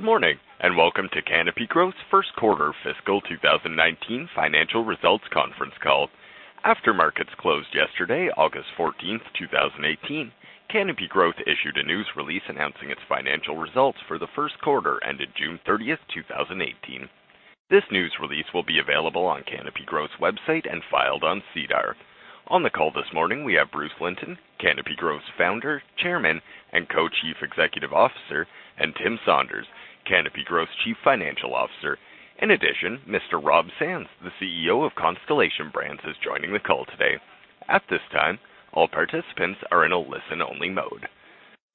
Good morning, welcome to Canopy Growth's first quarter fiscal 2019 financial results conference call. After markets closed yesterday, August 14th, 2018, Canopy Growth issued a news release announcing its financial results for the first quarter ended June 30th, 2018. This news release will be available on Canopy Growth's website and filed on SEDAR. On the call this morning, we have Bruce Linton, Canopy Growth's Founder, Chairman, and Co-Chief Executive Officer, and Tim Saunders, Canopy Growth's Chief Financial Officer. In addition, Mr. Rob Sands, the CEO of Constellation Brands, is joining the call today. At this time, all participants are in a listen-only mode.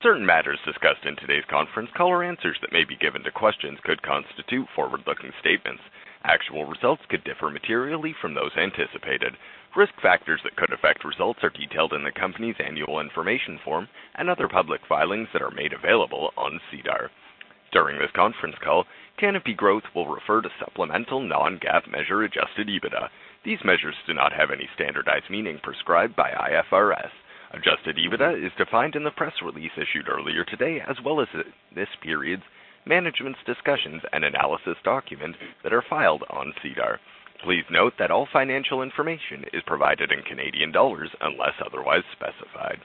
Certain matters discussed in today's conference call or answers that may be given to questions could constitute forward-looking statements. Actual results could differ materially from those anticipated. Risk factors that could affect results are detailed in the company's annual information form and other public filings that are made available on SEDAR. During this conference call, Canopy Growth will refer to supplemental non-GAAP measure adjusted EBITDA. These measures do not have any standardized meaning prescribed by IFRS. Adjusted EBITDA is defined in the press release issued earlier today, as well as this period's management's discussions and analysis documents that are filed on SEDAR. Please note that all financial information is provided in Canadian dollars unless otherwise specified.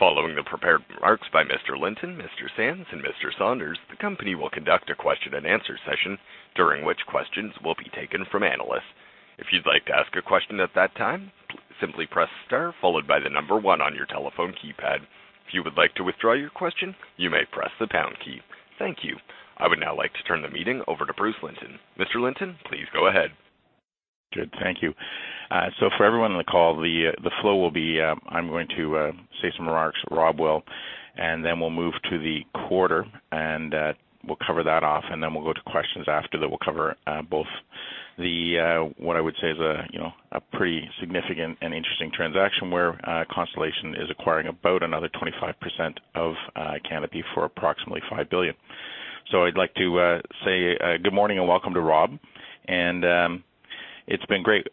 Following the prepared remarks by Mr. Linton, Mr. Sands, and Mr. Saunders, the company will conduct a question and answer session during which questions will be taken from analysts. If you'd like to ask a question at that time, simply press star followed by the number one on your telephone keypad. If you would like to withdraw your question, you may press the pound key. Thank you. I would now like to turn the meeting over to Bruce Linton. Mr. Linton, please go ahead. Good, thank you. For everyone on the call, the flow will be, I'm going to say some remarks, Rob will, and then we'll move to the quarter and we'll cover that off, and then we'll go to questions after that. We'll cover both what I would say is a pretty significant and interesting transaction where Constellation is acquiring about another 25% of Canopy for approximately 5 billion. I'd like to say good morning and welcome to Rob, and it's been great.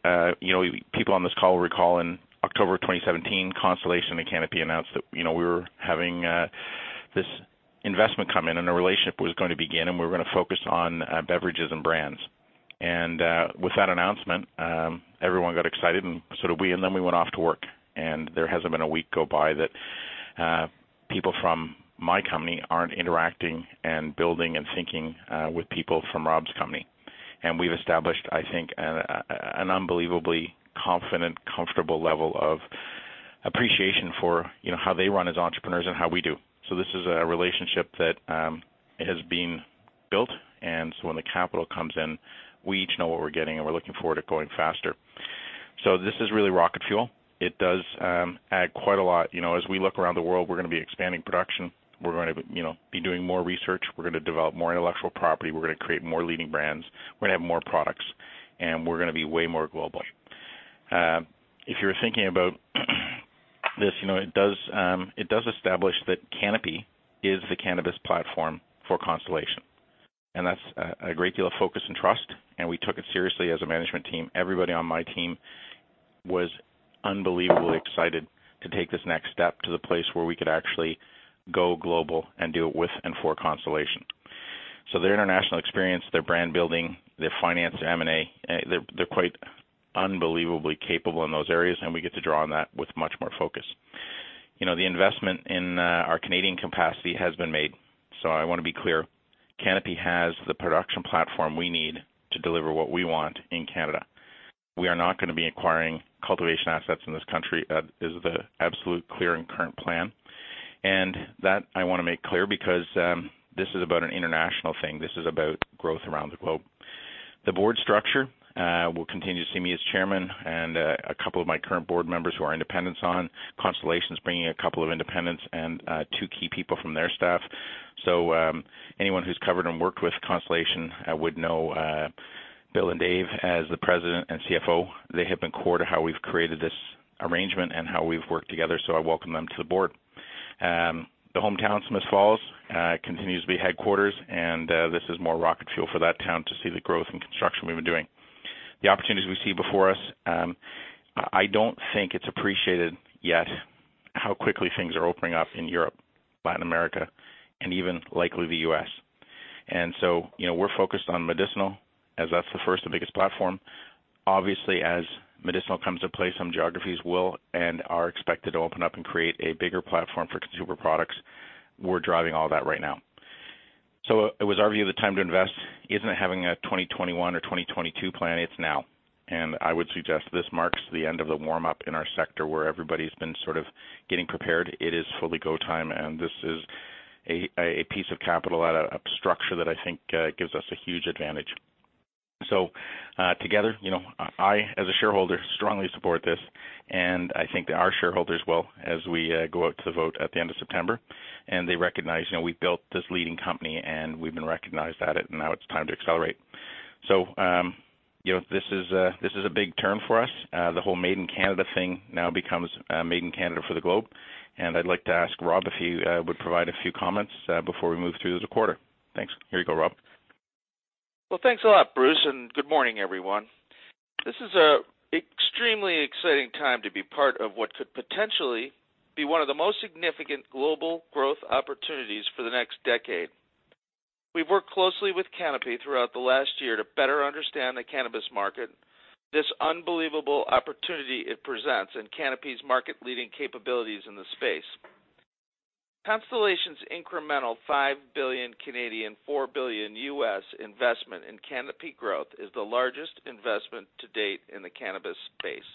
People on this call will recall in October 2017, Constellation and Canopy announced that we were having this investment come in and a relationship was going to begin, and we were going to focus on beverages and brands. With that announcement, everyone got excited, and so did we, and then we went off to work. There hasn't been a week go by that people from my company aren't interacting and building and thinking with people from Rob's company. We've established, I think, an unbelievably confident, comfortable level of appreciation for how they run as entrepreneurs and how we do. This is a relationship that has been built, when the capital comes in, we each know what we're getting, and we're looking forward to going faster. This is really rocket fuel. It does add quite a lot. As we look around the world, we're going to be expanding production. We're going to be doing more research. We're going to develop more intellectual property. We're going to create more leading brands. We're going to have more products, and we're going to be way more global. If you're thinking about this, it does establish that Canopy is the cannabis platform for Constellation, and that's a great deal of focus and trust, and we took it seriously as a management team. Everybody on my team was unbelievably excited to take this next step to the place where we could actually go global and do it with and for Constellation. Their international experience, their brand building, their finance, M&A, they're quite unbelievably capable in those areas, and we get to draw on that with much more focus. The investment in our Canadian capacity has been made, so I want to be clear, Canopy has the production platform we need to deliver what we want in Canada. We are not going to be acquiring cultivation assets in this country, is the absolute clear and current plan. That I want to make clear because this is about an international thing. This is about growth around the globe. The board structure will continue to see me as Chairman and a couple of my current board members who are independents on. Constellation's bringing a couple of independents and two key people from their staff. Anyone who's covered and worked with Constellation would know Bill and Dave as the President and CFO. They have been core to how we've created this arrangement and how we've worked together, so I welcome them to the board. The hometown, Smiths Falls, continues to be headquarters, and this is more rocket fuel for that town to see the growth and construction we've been doing. The opportunities we see before us, I don't think it's appreciated yet how quickly things are opening up in Europe, Latin America, and even likely the U.S. We're focused on medicinal as that's the first and biggest platform. Obviously, as medicinal comes to play, some geographies will and are expected to open up and create a bigger platform for consumer products. We're driving all that right now. It was our view the time to invest isn't having a 2021 or 2022 plan. It's now, and I would suggest this marks the end of the warm-up in our sector where everybody's been sort of getting prepared. It is fully go time, and this is a piece of capital at a structure that I think gives us a huge advantage. Together, I, as a shareholder, strongly support this, and I think our shareholders will as we go out to vote at the end of September. They recognize we've built this leading company, and we've been recognized at it, and now it's time to accelerate. This is a big turn for us. The whole made in Canada thing now becomes made in Canada for the globe, and I'd like to ask Rob if he would provide a few comments before we move through the quarter. Thanks. Here you go, Rob. Thanks a lot, Bruce, and good morning, everyone. This is an extremely exciting time to be part of what could potentially be one of the most significant global growth opportunities for the next decade. We've worked closely with Canopy throughout the last year to better understand the cannabis market, this unbelievable opportunity it presents, and Canopy's market-leading capabilities in the space. Constellation's incremental 5 billion Canadian dollars, $4 billion investment in Canopy Growth is the largest investment to date in the cannabis space.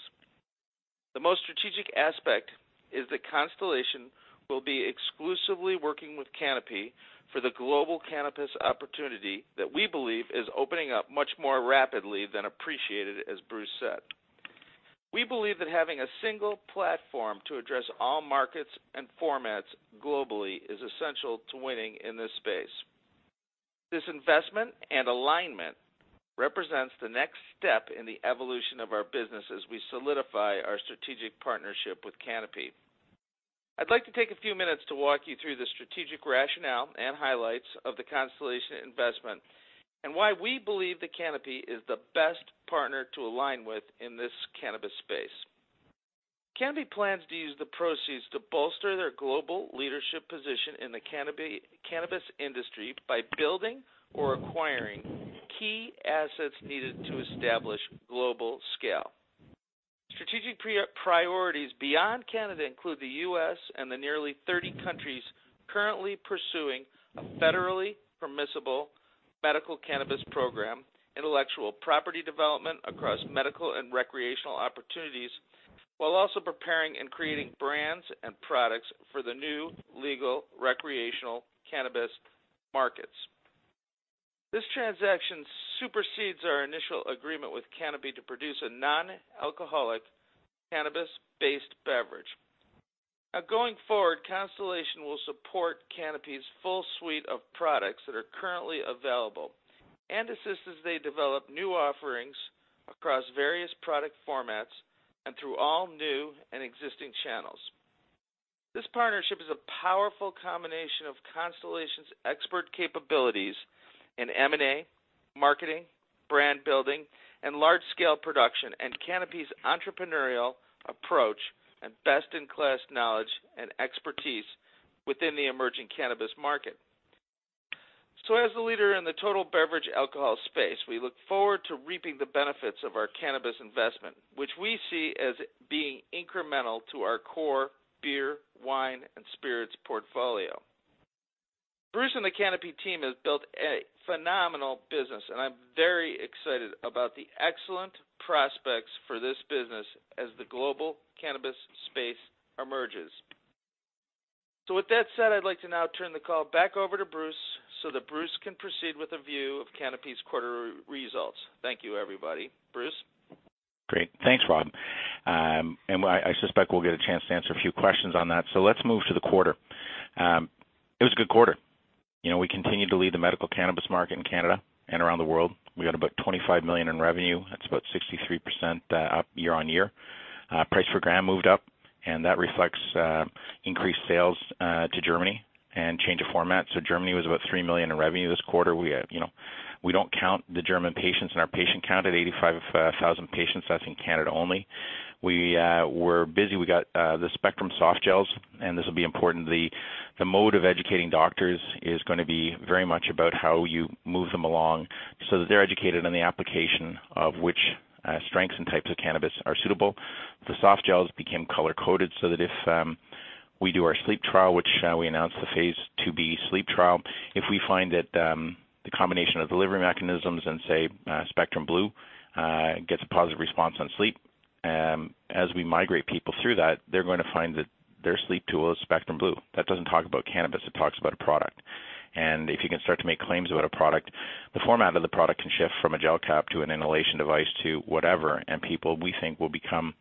The most strategic aspect is that Constellation will be exclusively working with Canopy for the global cannabis opportunity that we believe is opening up much more rapidly than appreciated, as Bruce said. We believe that having a single platform to address all markets and formats globally is essential to winning in this space. This investment and alignment represents the next step in the evolution of our business as we solidify our strategic partnership with Canopy. I'd like to take a few minutes to walk you through the strategic rationale and highlights of the Constellation investment, and why we believe that Canopy is the best partner to align with in this cannabis space. Canopy plans to use the proceeds to bolster their global leadership position in the cannabis industry by building or acquiring key assets needed to establish global scale. Strategic priorities beyond Canada include the U.S. and the nearly 30 countries currently pursuing a federally permissible medical cannabis program, intellectual property development across medical and recreational opportunities, while also preparing and creating brands and products for the new legal recreational cannabis markets. This transaction supersedes our initial agreement with Canopy to produce a non-alcoholic cannabis-based beverage. Going forward, Constellation will support Canopy's full suite of products that are currently available and assist as they develop new offerings across various product formats and through all new and existing channels. This partnership is a powerful combination of Constellation's expert capabilities in M&A, marketing, brand building, and large-scale production, and Canopy's entrepreneurial approach and best-in-class knowledge and expertise within the emerging cannabis market. As the leader in the total beverage alcohol space, we look forward to reaping the benefits of our cannabis investment, which we see as being incremental to our core beer, wine, and spirits portfolio. Bruce and the Canopy team have built a phenomenal business, and I'm very excited about the excellent prospects for this business as the global cannabis space emerges. With that said, I'd like to now turn the call back over to Bruce so that Bruce can proceed with a view of Canopy's quarter results. Thank you, everybody. Bruce? Great. Thanks, Rob. I suspect we'll get a chance to answer a few questions on that. Let's move to the quarter. It was a good quarter. We continue to lead the medical cannabis market in Canada and around the world. We got about 25 million in revenue. That's about 63% up year-over-year. Price per gram moved up, and that reflects increased sales to Germany and change of format. Germany was about 3 million in revenue this quarter. We don't count the German patients in our patient count at 85,000 patients. That's in Canada only. We were busy. We got the Spectrum soft gels, and this will be important. The mode of educating doctors is going to be very much about how you move them along so that they're educated on the application of which strengths and types of cannabis are suitable. The soft gels became color-coded so that if we do our sleep trial, which we announced the Phase IIb sleep trial, if we find that the combination of delivery mechanisms in, say, Spectrum Blue gets a positive response on sleep, as we migrate people through that, they're going to find that their sleep tool is Spectrum Blue. That doesn't talk about cannabis, it talks about a product. If you can start to make claims about a product, the format of the product can shift from a gel cap to an inhalation device to whatever. People, we think, will become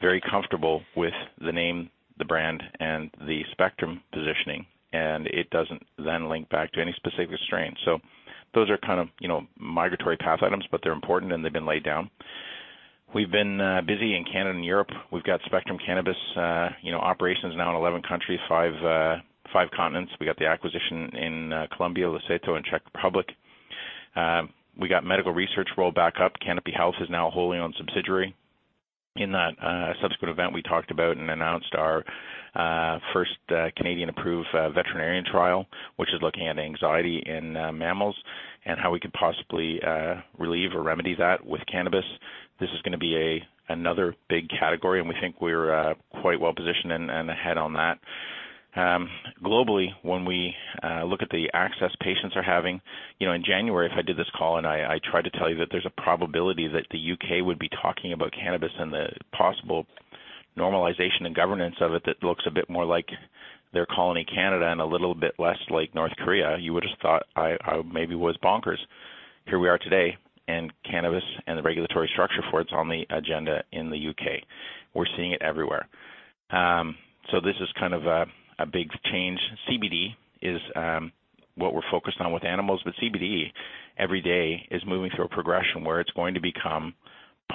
very comfortable with the name, the brand, and the Spectrum positioning, and it doesn't then link back to any specific strain. Those are kind of migratory path items, but they're important and they've been laid down. We've been busy in Canada and Europe. We've got Spectrum Cannabis operations now in 11 countries, five continents. We got the acquisition in Colombia, Lesotho, and Czech Republic. We got medical research rolled back up. Canopy Health is now a wholly owned subsidiary. In that subsequent event, we talked about and announced our first Canadian-approved veterinarian trial, which is looking at anxiety in mammals and how we could possibly relieve or remedy that with cannabis. This is going to be another big category, and we think we're quite well-positioned and ahead on that. Globally, when we look at the access patients are having, in January, if I did this call and I tried to tell you that there's a probability that the U.K. would be talking about cannabis and the possible normalization and governance of it that looks a bit more like their colony, Canada, and a little bit less like North Korea, you would have thought I maybe was bonkers. Here we are today, and cannabis and the regulatory structure for it's on the agenda in the U.K. We're seeing it everywhere. This is kind of a big change. CBD is what we're focused on with animals, but CBD every day is moving through a progression where it's going to become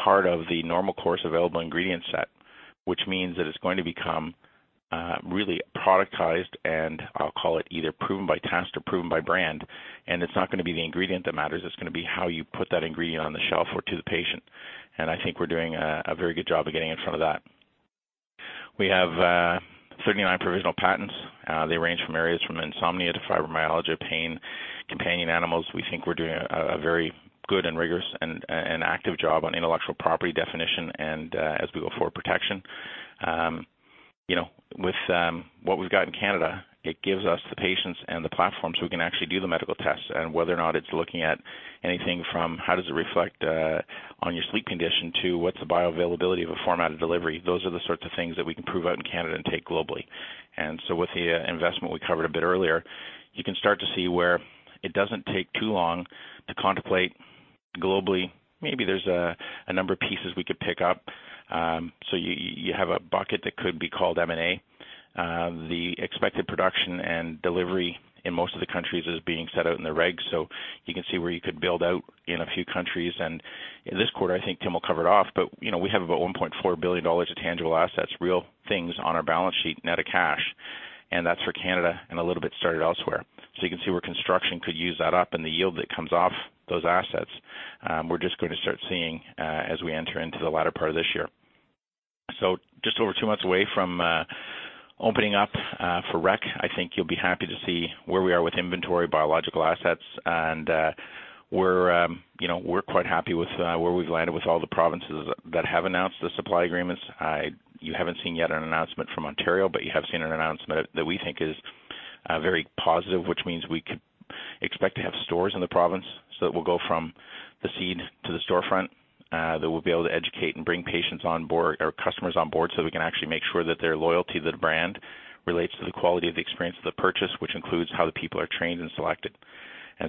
part of the normal course of available ingredient set Which means that it's going to become really productized and I'll call it either proven by test or proven by brand, and it's not going to be the ingredient that matters, it's going to be how you put that ingredient on the shelf or to the patient. I think we're doing a very good job of getting in front of that. We have 39 provisional patents. They range from areas from insomnia to fibromyalgia, pain, companion animals. We think we're doing a very good and rigorous and active job on intellectual property definition and as we go forward, protection. With what we've got in Canada, it gives us the patients and the platforms who can actually do the medical tests and whether or not it's looking at anything from how does it reflect on your sleep condition to what's the bioavailability of a formatted delivery. Those are the sorts of things that we can prove out in Canada and take globally. With the investment we covered a bit earlier, you can start to see where it doesn't take too long to contemplate globally, maybe there's a number of pieces we could pick up. You have a bucket that could be called M&A. The expected production and delivery in most of the countries is being set out in the regs, so you can see where you could build out in a few countries. In this quarter, I think Tim will cover it off, but we have about 1.4 billion dollars of tangible assets, real things on our balance sheet net of cash, and that's for Canada and a little bit started elsewhere. You can see where construction could use that up and the yield that comes off those assets, we're just going to start seeing as we enter into the latter part of this year. Just over two months away from opening up for rec, I think you'll be happy to see where we are with inventory, biological assets, and we're quite happy with where we've landed with all the provinces that have announced the supply agreements. You haven't seen yet an announcement from Ontario, but you have seen an announcement that we think is very positive, which means we could expect to have stores in the province. That we'll go from the seed to the storefront, that we'll be able to educate and bring patients on board or customers on board so we can actually make sure that their loyalty to the brand relates to the quality of the experience of the purchase, which includes how the people are trained and selected.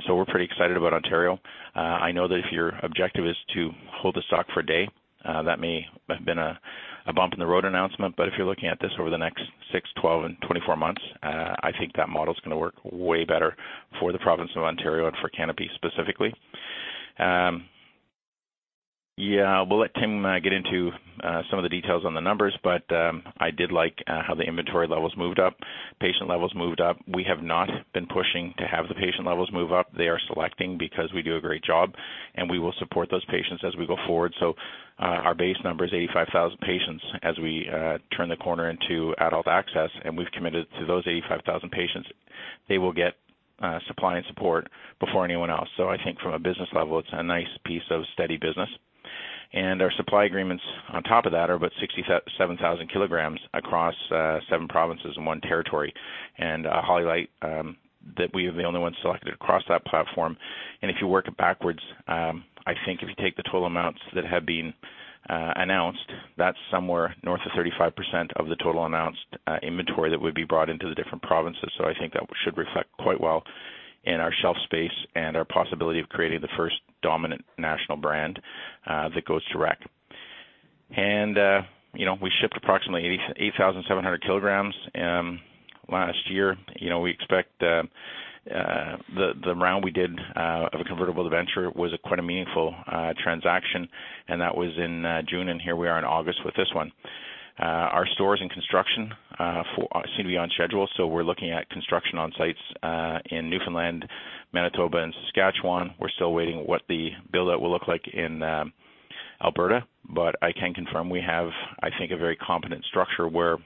We're pretty excited about Ontario. I know that if your objective is to hold the stock for a day, that may have been a bump in the road announcement. If you're looking at this over the next six, 12 and 24 months, I think that model's going to work way better for the province of Ontario and for Canopy specifically. We'll let Tim get into some of the details on the numbers, but I did like how the inventory levels moved up, patient levels moved up. We have not been pushing to have the patient levels move up. They are selecting because we do a great job, and we will support those patients as we go forward. Our base number is 85,000 patients as we turn the corner into adult access, and we've committed to those 85,000 patients. They will get supply and support before anyone else. I think from a business level, it's a nice piece of steady business. Our supply agreements on top of that are about 67,000 kilograms across seven provinces and one territory. I'll highlight that we are the only ones selected across that platform. If you work it backwards, I think if you take the total amounts that have been announced, that's somewhere north of 35% of the total announced inventory that would be brought into the different provinces. I think that should reflect quite well in our shelf space and our possibility of creating the first dominant national brand that goes to rec. We shipped approximately 8,700 kilograms last year. We expect the round we did of a convertible debenture was quite a meaningful transaction, and that was in June, and here we are in August with this one. Our stores in construction seem to be on schedule, so we're looking at construction on sites in Newfoundland, Manitoba and Saskatchewan. We're still waiting on what the build out will look like in Alberta, but I can confirm we have, I think, a very competent structure where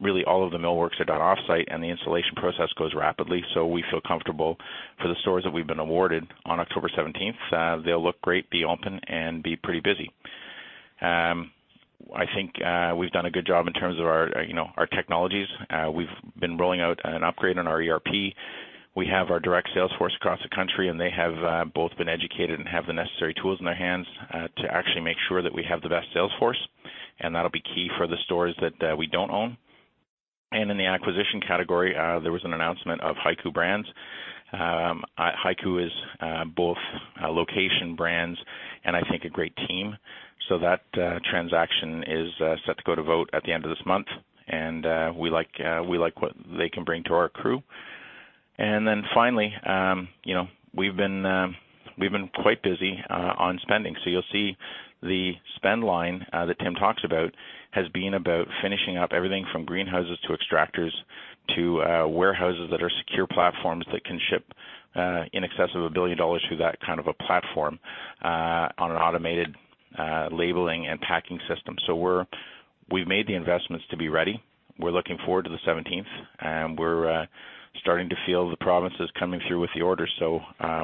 really all of the millworks are done offsite and the installation process goes rapidly. We feel comfortable for the stores that we've been awarded on October 17th. They'll look great, be open and be pretty busy. I think we've done a good job in terms of our technologies. We've been rolling out an upgrade on our ERP. We have our direct sales force across the country, they have both been educated and have the necessary tools in their hands to actually make sure that we have the best sales force, and that'll be key for the stores that we don't own. In the acquisition category, there was an announcement of Hiku Brands. Hiku is both location brands and I think a great team. That transaction is set to go to vote at the end of this month. We like what they can bring to our crew. Finally, we've been quite busy on spending. You'll see the spend line that Tim talks about has been about finishing up everything from greenhouses to extractors, to warehouses that are secure platforms that can ship in excess of 1 billion dollars through that kind of a platform on an automated labeling and packing system. We've made the investments to be ready. We're looking forward to the 17th. We're starting to feel the provinces coming through with the orders.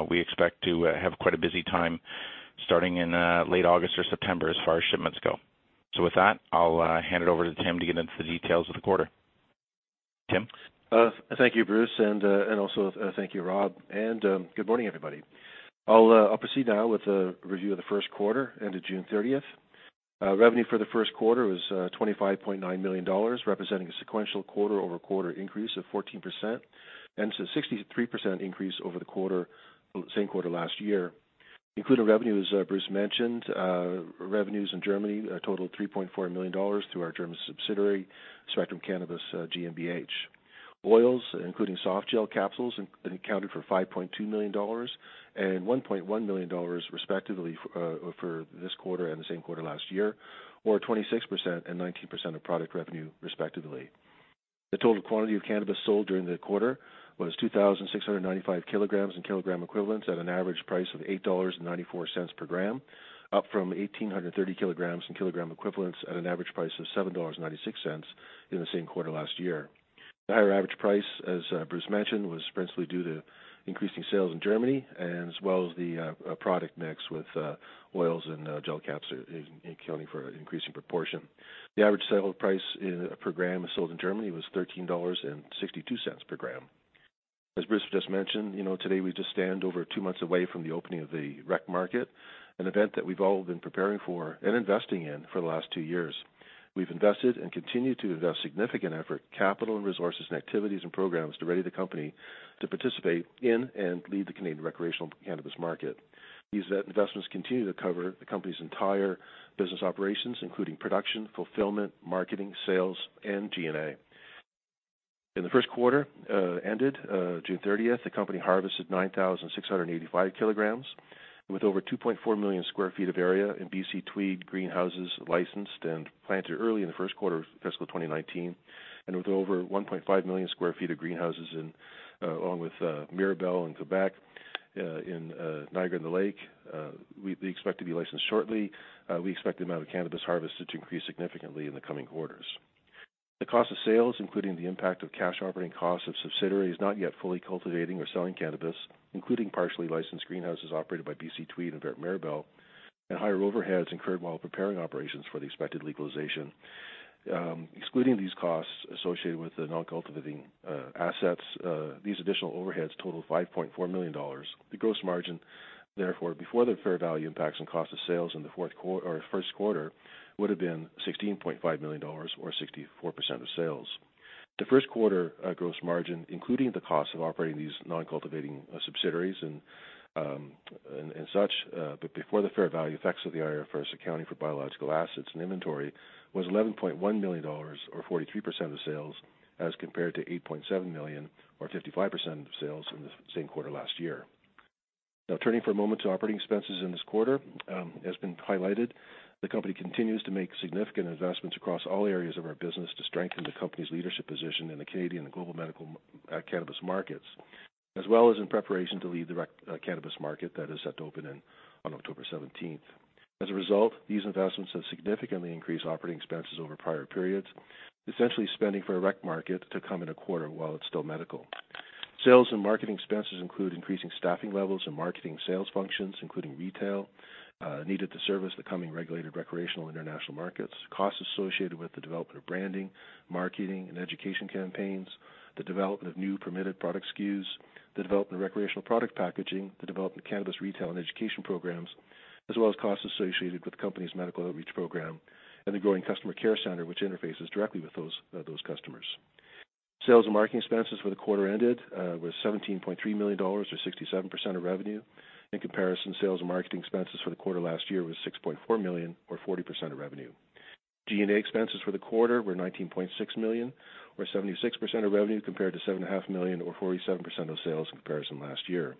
We expect to have quite a busy time starting in late August or September as far as shipments go. With that, I'll hand it over to Tim to get into the details of the quarter. Tim? Thank you, Bruce, and also thank you, Rob, and good morning, everybody. I'll proceed now with a review of the first quarter ended June 30th. Revenue for the first quarter was 25.9 million dollars, representing a sequential quarter-over-quarter increase of 14% and it's a 63% increase over the same quarter last year. Included revenue, as Bruce mentioned, revenues in Germany totaled 3.4 million dollars through our German subsidiary, Spektrum Cannabis GmbH. Oils, including soft gel capsules, accounted for 5.2 million dollars and 1.1 million dollars, respectively, for this quarter and the same quarter last year, or 26% and 19% of product revenue respectively. The total quantity of cannabis sold during the quarter was 2,695 kilograms and kilogram equivalents at an average price of 8.94 dollars per gram, up from 1,830 kilograms and kilogram equivalents at an average price of 7.96 dollars in the same quarter last year. The higher average price, as Bruce mentioned, was principally due to increasing sales in Germany and as well as the product mix with oils and gel caps accounting for an increasing proportion. The average sale price per gram sold in Germany was 13.62 dollars per gram. As Bruce just mentioned, today we just stand over two months away from the opening of the rec market, an event that we've all been preparing for and investing in for the last two years. We've invested and continue to invest significant effort, capital, and resources, and activities and programs to ready the company to participate in and lead the Canadian recreational cannabis market. These investments continue to cover the company's entire business operations, including production, fulfillment, marketing, sales, and G&A. In the first quarter ended June 30th, the company harvested 9,685 kilograms with over 2.4 million sq ft of area in BC Tweed greenhouses licensed and planted early in the first quarter of fiscal 2019, and with over 1.5 million sq ft of greenhouses along with Mirabel in Quebec, in Niagara-on-the-Lake, we expect to be licensed shortly. We expect the amount of cannabis harvested to increase significantly in the coming quarters. The cost of sales, including the impact of cash operating costs of subsidiaries not yet fully cultivating or selling cannabis, including partially licensed greenhouses operated by BC Tweed and Vert Mirabel, and higher overheads incurred while preparing operations for the expected legalization. Excluding these costs associated with the non-cultivating assets, these additional overheads total 5.4 million dollars. The gross margin, therefore, before the fair value impacts on cost of sales in the first quarter, would have been 16.5 million dollars or 64% of sales. The first quarter gross margin, including the cost of operating these non-cultivating subsidiaries and such, but before the fair value effects of the IFRS accounting for biological assets and inventory, was 11.1 million dollars or 43% of sales as compared to 8.7 million or 55% of sales in the same quarter last year. Now turning for a moment to operating expenses in this quarter. As been highlighted, the company continues to make significant investments across all areas of our business to strengthen the company's leadership position in the Canadian and global medical cannabis markets, as well as in preparation to lead the rec cannabis market that is set to open on October 17th. As a result, these investments have significantly increased operating expenses over prior periods, essentially spending for a rec market to come in a quarter while it's still medical. Sales and marketing expenses include increasing staffing levels and marketing sales functions, including retail, needed to service the coming regulated recreational international markets, costs associated with the development of branding, marketing, and education campaigns, the development of new permitted product SKUs, the development of recreational product packaging, the development of cannabis retail and education programs, as well as costs associated with the company's medical outreach program and the growing customer care center, which interfaces directly with those customers. Sales and marketing expenses for the quarter ended was 17.3 million dollars, or 67% of revenue. In comparison, sales and marketing expenses for the quarter last year was 6.4 million, or 40% of revenue. G&A expenses for the quarter were 19.6 million, or 76% of revenue, compared to 7.5 million or 47% of sales in comparison last year.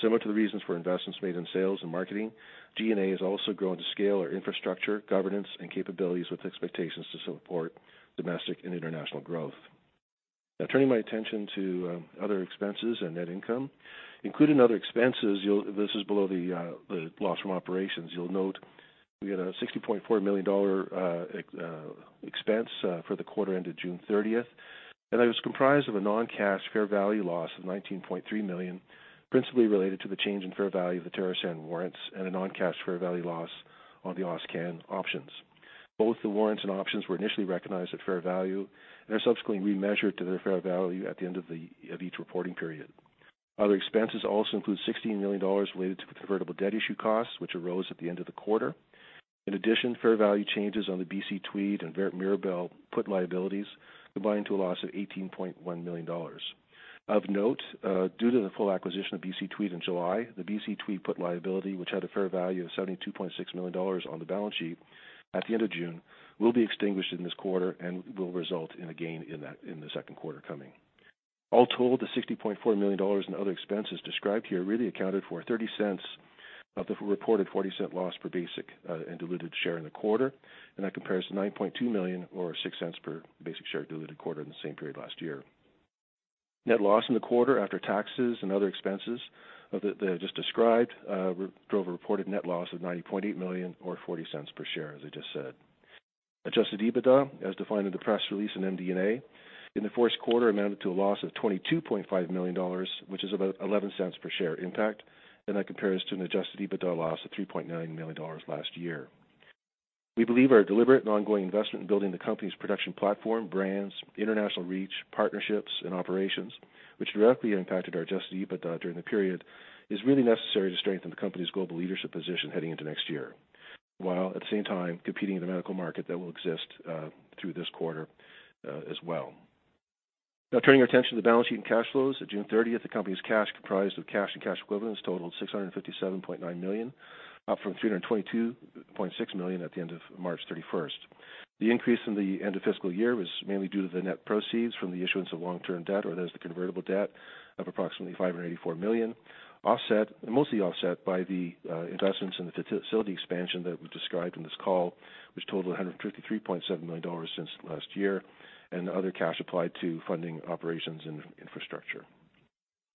Similar to the reasons for investments made in sales and marketing, G&A has also grown to scale our infrastructure, governance, and capabilities with expectations to support domestic and international growth. Now turning my attention to other expenses and net income. Including other expenses, this is below the loss from operations, you'll note we had a 60.4 million dollar expense for the quarter ended June 30th, and that was comprised of a non-cash fair value loss of 19.3 million, principally related to the change in fair value of the TerrAscend warrants and a non-cash fair value loss on the AusCann options. Both the warrants and options were initially recognized at fair value and are subsequently remeasured to their fair value at the end of each reporting period. Other expenses also include 16 million dollars related to convertible debt issue costs, which arose at the end of the quarter. In addition, fair value changes on the BC Tweed and Vert Mirabel put liabilities combined to a loss of 18.1 million dollars. Of note, due to the full acquisition of BC Tweed in July, the BC Tweed put liability, which had a fair value of 72.6 million dollars on the balance sheet at the end of June, will be extinguished in this quarter and will result in a gain in the second quarter coming. All told, the 60.4 million dollars in other expenses described here really accounted for 0.30 of the reported 0.40 loss per basic and diluted share in the quarter, and that compares to 9.2 million or 0.06 per basic share diluted quarter in the same period last year. Net loss in the quarter after taxes and other expenses that I just described, drove a reported net loss of 90.8 million or 0.40 per share, as I just said. Adjusted EBITDA, as defined in the press release and MD&A, in the first quarter amounted to a loss of 22.5 million dollars, which is about 0.11 per share impact. That compares to an adjusted EBITDA loss of 3.9 million dollars last year. We believe our deliberate and ongoing investment in building the company's production platform, brands, international reach, partnerships, and operations, which directly impacted our adjusted EBITDA during the period, is really necessary to strengthen the company's global leadership position heading into next year, while at the same time competing in the medical market that will exist through this quarter as well. Turning our attention to the balance sheet and cash flows. At June 30th, the company's cash comprised of cash and cash equivalents totaled 657.9 million, up from 322.6 million at the end of March 31st. The increase in the end of fiscal year was mainly due to the net proceeds from the issuance of long-term debt, or that is the convertible debt, of approximately 584 million, mostly offset by the investments in the facility expansion that we've described in this call, which totaled 153.7 million dollars since last year, and other cash applied to funding operations and infrastructure.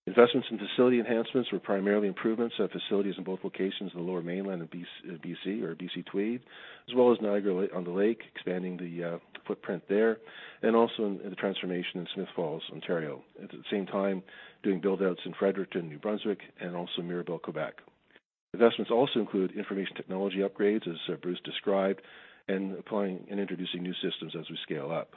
Investments in facility enhancements were primarily improvements at facilities in both locations in the Lower Mainland of B.C. or BC Tweed, as well as Niagara-on-the-Lake, expanding the footprint there, and also in the transformation in Smiths Falls, Ontario. At the same time, doing build-outs in Fredericton, New Brunswick, and also Mirabel, Quebec. Investments also include information technology upgrades, as Bruce described, and applying and introducing new systems as we scale up.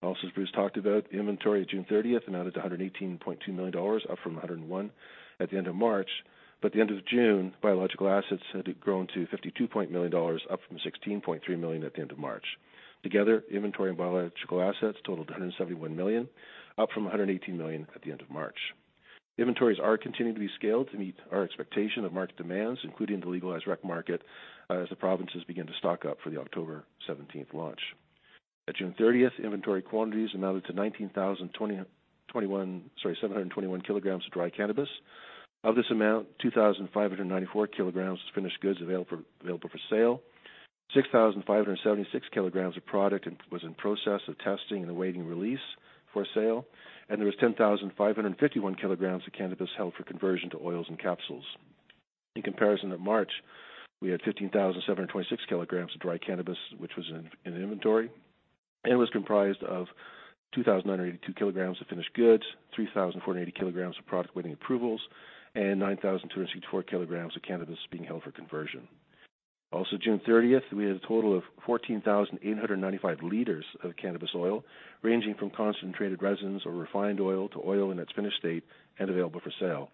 As Bruce talked about, the inventory at June 30th amounted to 118.2 million dollars, up from 101 million at the end of March. At the end of June, biological assets had grown to 52.8 million dollars, up from 16.3 million at the end of March. Together, inventory and biological assets totaled 171 million, up from 118 million at the end of March. Inventories are continuing to be scaled to meet our expectation of market demands, including the legalized rec market, as the provinces begin to stock up for the October 17th launch. At June 30th, inventory quantities amounted to 19,721 kilograms of dry cannabis. Of this amount, 2,594 kilograms was finished goods available for sale, 6,576 kilograms of product was in process of testing and awaiting release for sale, and there was 10,551 kilograms of cannabis held for conversion to oils and capsules. In comparison to March, we had 15,726 kilograms of dry cannabis, which was in inventory, and was comprised of 2,982 kilograms of finished goods, 3,480 kilograms of product awaiting approvals, and 9,264 kilograms of cannabis being held for conversion. June 30th, we had a total of 14,895 liters of cannabis oil, ranging from concentrated resins or refined oil to oil in its finished state and available for sale.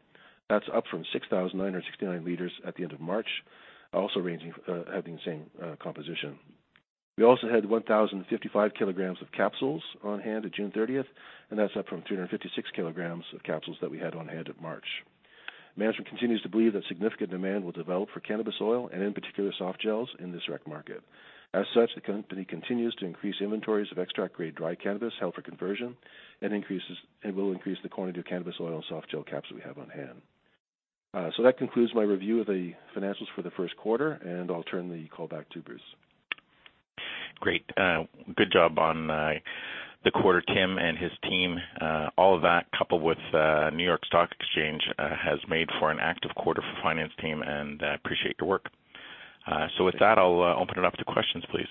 That's up from 6,969 liters at the end of March, also having the same composition. We also had 1,055 kilograms of capsules on hand at June 30th. That's up from 356 kilograms of capsules that we had on hand at March. Management continues to believe that significant demand will develop for cannabis oil and in particular, softgels in this rec market. As such, the company continues to increase inventories of extract-grade dry cannabis held for conversion, and will increase the quantity of cannabis oil and softgel caps that we have on hand. That concludes my review of the financials for the first quarter, and I'll turn the call back to Bruce. Great. Good job on the quarter, Tim, and his team. All of that coupled with New York Stock Exchange has made for an active quarter for the finance team, and I appreciate your work. With that, I'll open it up to questions, please.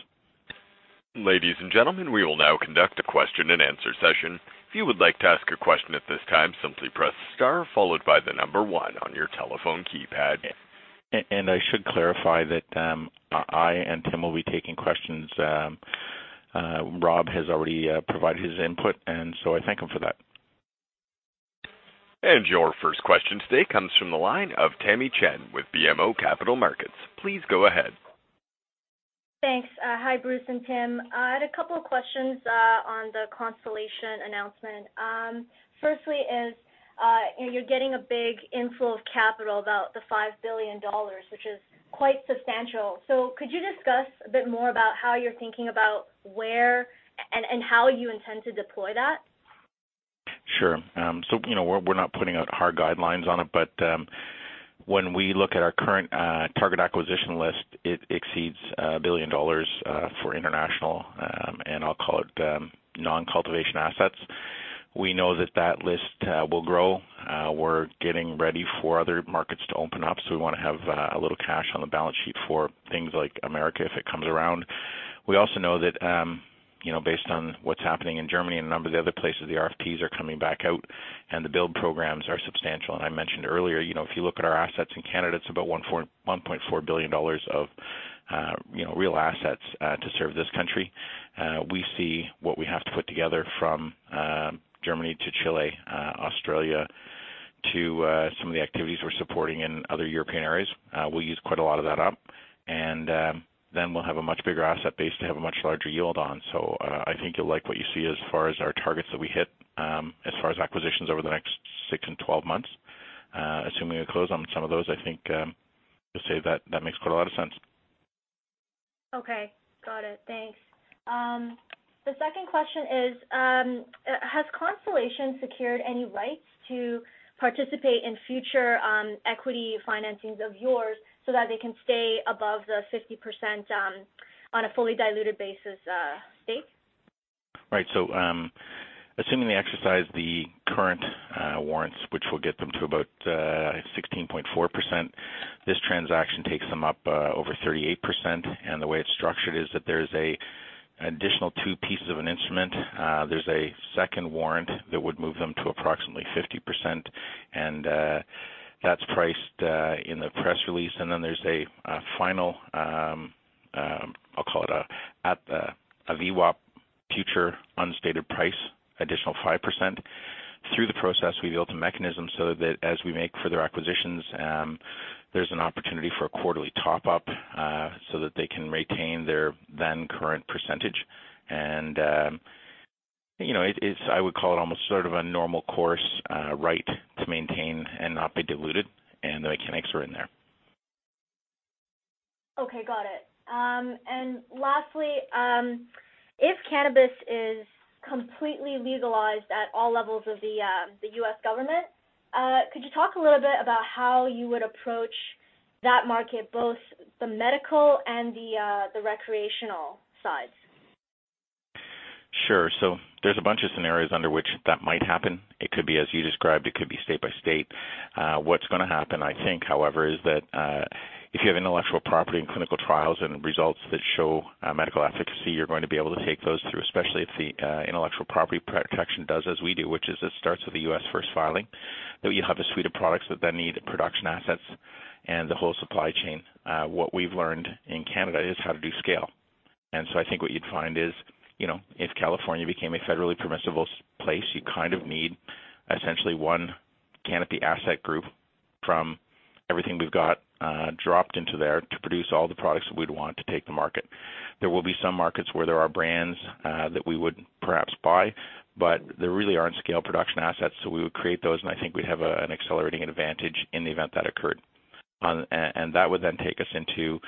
Ladies and gentlemen, we will now conduct a question-and-answer session. If you would like to ask a question at this time, simply press star followed by the number one on your telephone keypad. I should clarify that I and Tim will be taking questions. Rob has already provided his input, I thank him for that. Your first question today comes from the line of Tamy Chen with BMO Capital Markets. Please go ahead. Thanks. Hi, Bruce and Tim. I had a couple of questions on the Constellation announcement. Firstly is, you're getting a big inflow of capital about 5 billion dollars, which is quite substantial. Could you discuss a bit more about how you're thinking about where and how you intend to deploy that? Sure. We're not putting out hard guidelines on it, but when we look at our current target acquisition list, it exceeds 1 billion dollars for international, and I'll call it non-cultivation assets. We know that that list will grow. We're getting ready for other markets to open up, so we want to have a little cash on the balance sheet for things like U.S. if it comes around. We also know that based on what's happening in Germany and a number of the other places, the RFPs are coming back out and the build programs are substantial. I mentioned earlier, if you look at our assets in Canada, it's about 1.4 billion dollars of real assets to serve this country. We see what we have to put together from Germany to Chile, Australia to some of the activities we're supporting in other European areas. We'll use quite a lot of that up, then we'll have a much bigger asset base to have a much larger yield on. I think you'll like what you see as far as our targets that we hit as far as acquisitions over the next 6 and 12 months. Assuming we close on some of those, I think you'll see that that makes quite a lot of sense. Okay. Got it. Thanks. The second question is, has Constellation secured any rights to participate in future equity financings of yours so that they can stay above the 50% on a fully diluted basis stake? Right. Assuming they exercise the current warrants, which will get them to about 16.4%, this transaction takes them up over 38%. The way it's structured is that there is an additional two pieces of an instrument. There's a second warrant that would move them to approximately 50%, and that's priced in the press release. Then there's a final, I'll call it a VWAP future unstated price, additional 5%. Through the process, we've built a mechanism so that as we make further acquisitions, there's an opportunity for a quarterly top-up so that they can retain their then current percentage and I would call it almost sort of a normal course, right to maintain and not be diluted, and the mechanics are in there. Okay, got it. Lastly, if cannabis is completely legalized at all levels of the U.S. government, could you talk a little bit about how you would approach that market, both the medical and the recreational sides? Sure. There's a bunch of scenarios under which that might happen. It could be, as you described, it could be state by state. What's going to happen, I think, however, is that, if you have intellectual property and clinical trials and results that show medical efficacy, you're going to be able to take those through, especially if the intellectual property protection does as we do, which is it starts with a U.S. first filing, that you have a suite of products that then need production assets and the whole supply chain. What we've learned in Canada is how to do scale. I think what you'd find is, if California became a federally permissible place, you kind of need essentially one Canopy asset group from everything we've got dropped into there to produce all the products that we'd want to take to market. There will be some markets where there are brands that we would perhaps buy, but there really aren't scale production assets. We would create those, and I think we'd have an accelerating advantage in the event that occurred. That would then take us into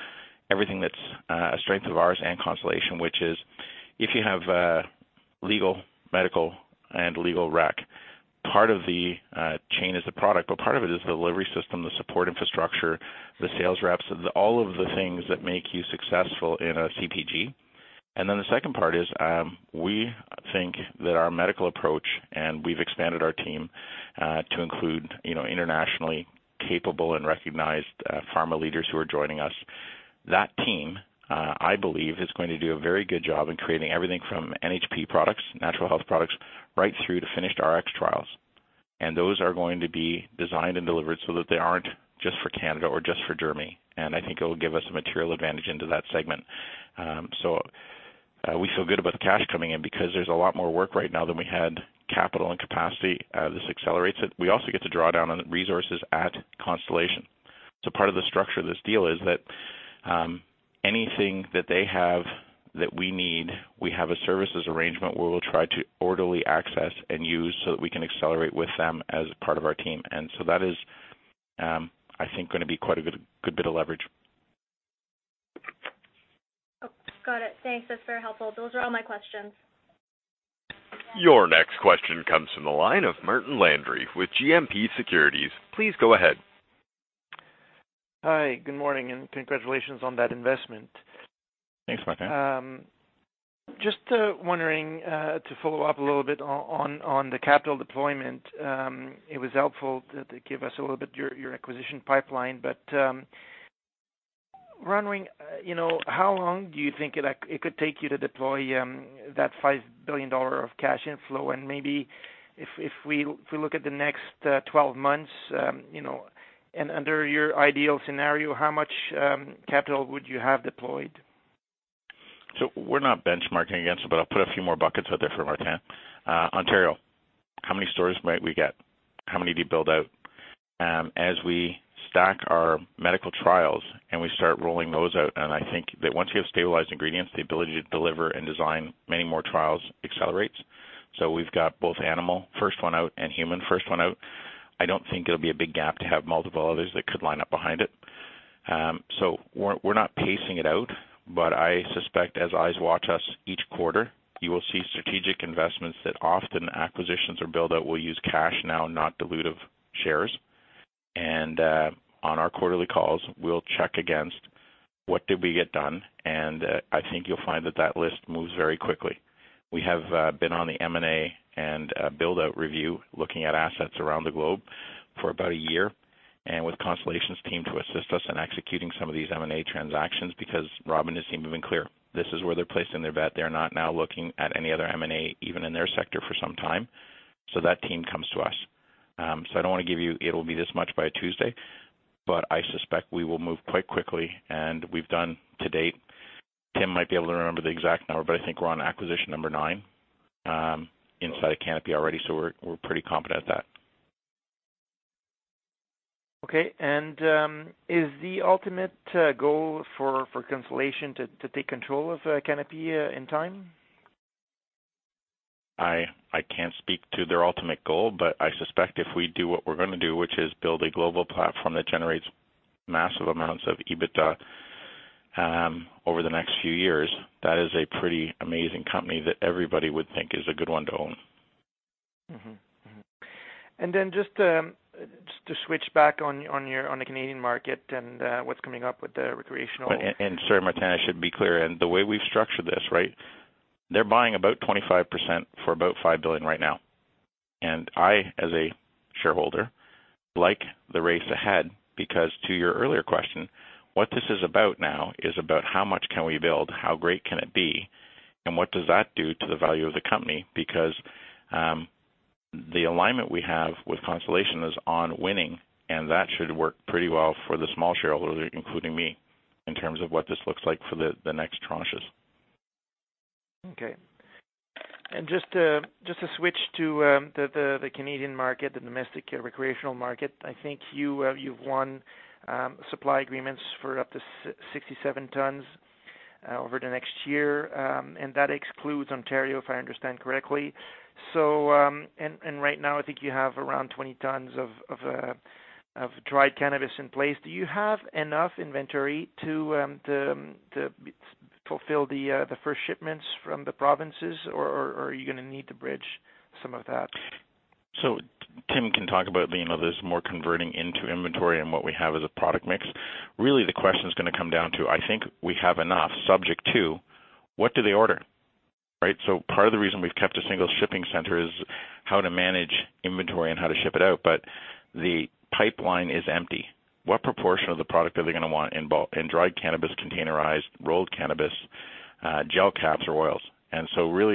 everything that's a strength of ours and Constellation, which is if you have legal, medical, and legal rec, part of the chain is the product, but part of it is the delivery system, the support infrastructure, the sales reps, all of the things that make you successful in a CPG. Then the second part is, we think that our medical approach, and we've expanded our team to include internationally capable and recognized pharma leaders who are joining us. That team, I believe, is going to do a very good job in creating everything from NHP products, natural health products, right through to finished RX trials. Those are going to be designed and delivered so that they aren't just for Canada or just for Germany. I think it'll give us a material advantage into that segment. We feel good about the cash coming in because there's a lot more work right now than we had capital and capacity. This accelerates it. We also get to draw down on resources at Constellation. Part of the structure of this deal is that anything that they have that we need, we have a services arrangement where we'll try to orderly access and use so that we can accelerate with them as part of our team. That is, I think, going to be quite a good bit of leverage. Oh, got it. Thanks. That's very helpful. Those are all my questions. Your next question comes from the line of Martin Landry with GMP Securities. Please go ahead. Hi, good morning, and congratulations on that investment. Thanks, Martin. Just wondering, to follow up a little bit on the capital deployment. It was helpful that they give us a little bit your acquisition pipeline, but wondering, how long do you think it could take you to deploy that 5 billion dollar of cash inflow? Maybe if we look at the next 12 months, and under your ideal scenario, how much capital would you have deployed? We're not benchmarking against it, but I'll put a few more buckets out there for Martin. Ontario, how many stores might we get? How many do you build out? As we stack our medical trials and we start rolling those out, and I think that once you have stabilized ingredients, the ability to deliver and design many more trials accelerates. We've got both animal first one out and human first one out. I don't think it'll be a big gap to have multiple others that could line up behind it. We're not pacing it out, but I suspect as eyes watch us each quarter, you will see strategic investments that often acquisitions or build out will use cash now, not dilutive shares. On our quarterly calls, we'll check against what did we get done, and I think you'll find that that list moves very quickly. We have been on the M&A and build-out review, looking at assets around the globe for about a year. With Constellation's team to assist us in executing some of these M&A transactions, because Rob Sands has been clear. This is where they're placing their bet. They're not now looking at any other M&A, even in their sector, for some time. That team comes to us. I don't want to give you, "It'll be this much by Tuesday," but I suspect we will move quite quickly. We've done to date, Tim might be able to remember the exact number, but I think we're on acquisition number nine inside of Canopy already, so we're pretty competent at that. Okay. Is the ultimate goal for Constellation to take control of Canopy in time? I can't speak to their ultimate goal, but I suspect if we do what we're going to do, which is build a global platform that generates massive amounts of EBITDA over the next few years, that is a pretty amazing company that everybody would think is a good one to own. Mm-hmm. Then just to switch back on the Canadian market and what's coming up with the recreational- Sorry, Martin, I should be clear. The way we've structured this, right, they're buying about 25% for about 5 billion right now. I, as a shareholder, like the race ahead because to your earlier question, what this is about now is about how much can we build, how great can it be, and what does that do to the value of the company? Because the alignment we have with Constellation is on winning, and that should work pretty well for the small shareholder, including me, in terms of what this looks like for the next tranches. Okay. Just to switch to the Canadian market, the domestic recreational market, I think you've won supply agreements for up to 67 tons Over the next year, that excludes Ontario, if I understand correctly. Right now, I think you have around 20 tons of dried cannabis in place. Do you have enough inventory to fulfill the first shipments from the provinces, or are you going to need to bridge some of that? Tim can talk about this more converting into inventory and what we have as a product mix. The question is going to come down to, I think we have enough subject to, what do they order? Right? Part of the reason we've kept a single shipping center is how to manage inventory and how to ship it out, but the pipeline is empty. What proportion of the product are they going to want in dried cannabis, containerized, rolled cannabis, gel caps, or oils?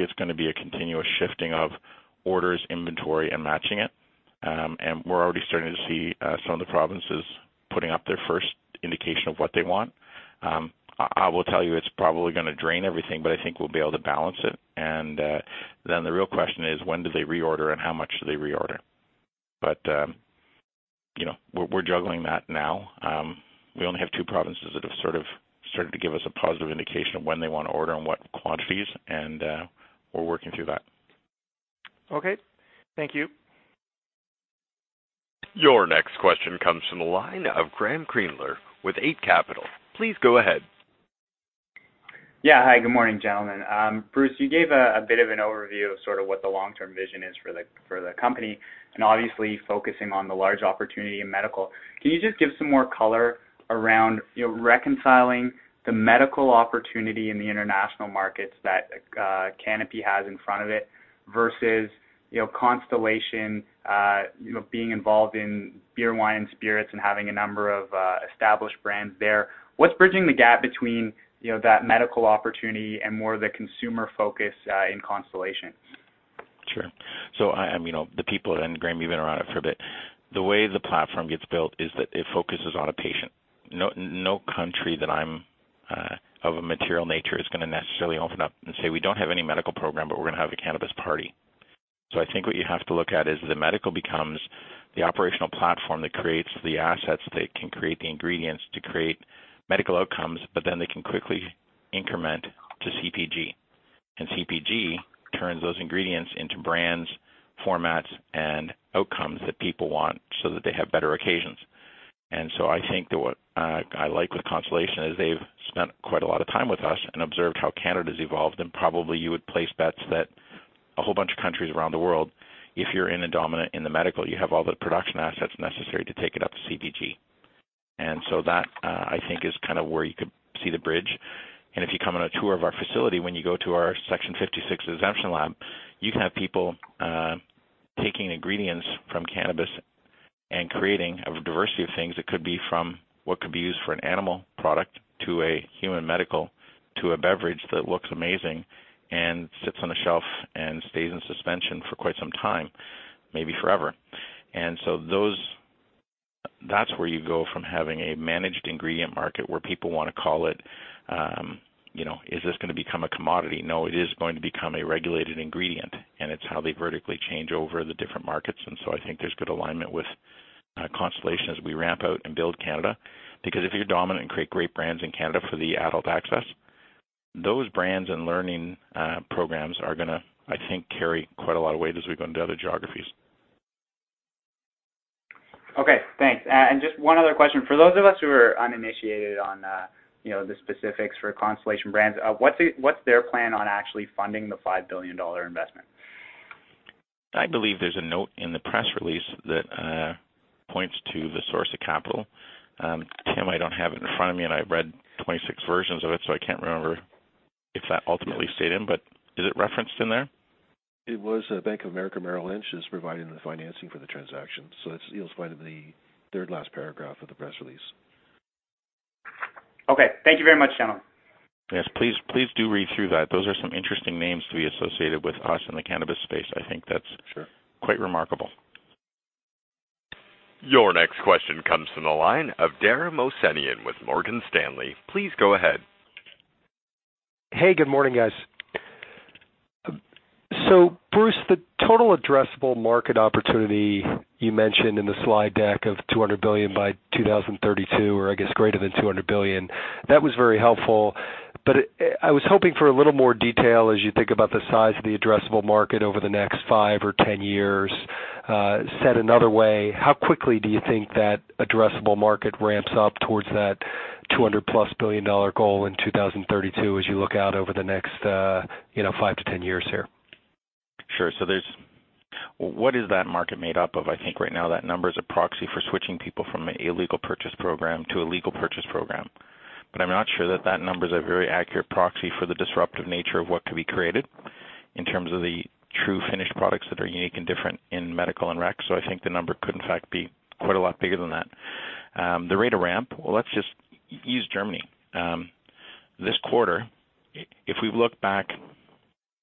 It's going to be a continuous shifting of orders, inventory, and matching it. We're already starting to see some of the provinces putting up their first indication of what they want. I will tell you it's probably going to drain everything, but I think we'll be able to balance it. The real question is when do they reorder and how much do they reorder? We're juggling that now. We only have two provinces that have sort of started to give us a positive indication of when they want to order and what quantities, we're working through that. Okay. Thank you. Your next question comes from the line of Graeme Kre with Eight Capital. Please go ahead. Yeah. Hi, good morning, gentlemen. Bruce, you gave a bit of an overview of sort of what the long-term vision is for the company, and obviously focusing on the large opportunity in medical. Can you just give some more color around reconciling the medical opportunity in the international markets that Canopy Growth has in front of it versus Constellation Brands being involved in beer, wine, and spirits and having a number of established brands there. What's bridging the gap between that medical opportunity and more of the consumer focus in Constellation Brands? Sure. The people, and Graeme, you've been around it for a bit. The way the platform gets built is that it focuses on a patient. No country of a material nature is going to necessarily open up and say, "We don't have any medical program, but we're going to have a cannabis party." I think what you have to look at is the medical becomes the operational platform that creates the assets that can create the ingredients to create medical outcomes, but then they can quickly increment to CPG. CPG turns those ingredients into brands, formats, and outcomes that people want so that they have better occasions. I think that what I like with Constellation Brands is they've spent quite a lot of time with us and observed how Canada's evolved, and probably you would place bets that a whole bunch of countries around the world, if you're in the dominant in the medical, you have all the production assets necessary to take it up to CPG. That, I think, is kind of where you could see the bridge. If you come on a tour of our facility, when you go to our Section 56 exemption lab, you can have people taking ingredients from cannabis and creating a diversity of things. It could be from what could be used for an animal product to a human medical to a beverage that looks amazing and sits on a shelf and stays in suspension for quite some time, maybe forever. That's where you go from having a managed ingredient market where people want to call it, is this going to become a commodity? No, it is going to become a regulated ingredient, and it's how they vertically change over the different markets. I think there's good alignment with Constellation Brands as we ramp out and build Canada. Because if you're dominant and create great brands in Canada for the adult access, those brands and learning programs are going to, I think, carry quite a lot of weight as we go into other geographies. Okay, thanks. Just one other question. For those of us who are uninitiated on the specifics for Constellation Brands, what's their plan on actually funding the 5 billion dollar investment? I believe there's a note in the press release that points to the source of capital. Tim, I don't have it in front of me, I read 26 versions of it, I can't remember if that ultimately stayed in. Is it referenced in there? It was. Bank of America, Merrill Lynch is providing the financing for the transaction. You'll find it in the third last paragraph of the press release. Okay. Thank you very much, gentlemen. Yes, please do read through that. Those are some interesting names to be associated with us in the cannabis space. I think that's. Sure Quite remarkable. Your next question comes from the line of Dara Mohsenian with Morgan Stanley. Please go ahead. Hey, good morning, guys. Bruce, the total addressable market opportunity you mentioned in the slide deck of 200 billion by 2032, or I guess greater than 200 billion, that was very helpful, but I was hoping for a little more detail as you think about the size of the addressable market over the next five or 10 years. Said another way, how quickly do you think that addressable market ramps up towards that 200-plus billion dollar goal in 2032 as you look out over the next five to 10 years here? Sure. What is that market made up of? I think right now that number is a proxy for switching people from an illegal purchase program to a legal purchase program. I'm not sure that that number's a very accurate proxy for the disruptive nature of what could be created in terms of the true finished products that are unique and different in medical and rec. I think the number could in fact be quite a lot bigger than that. The rate of ramp, well, let's just use Germany. This quarter, if we look back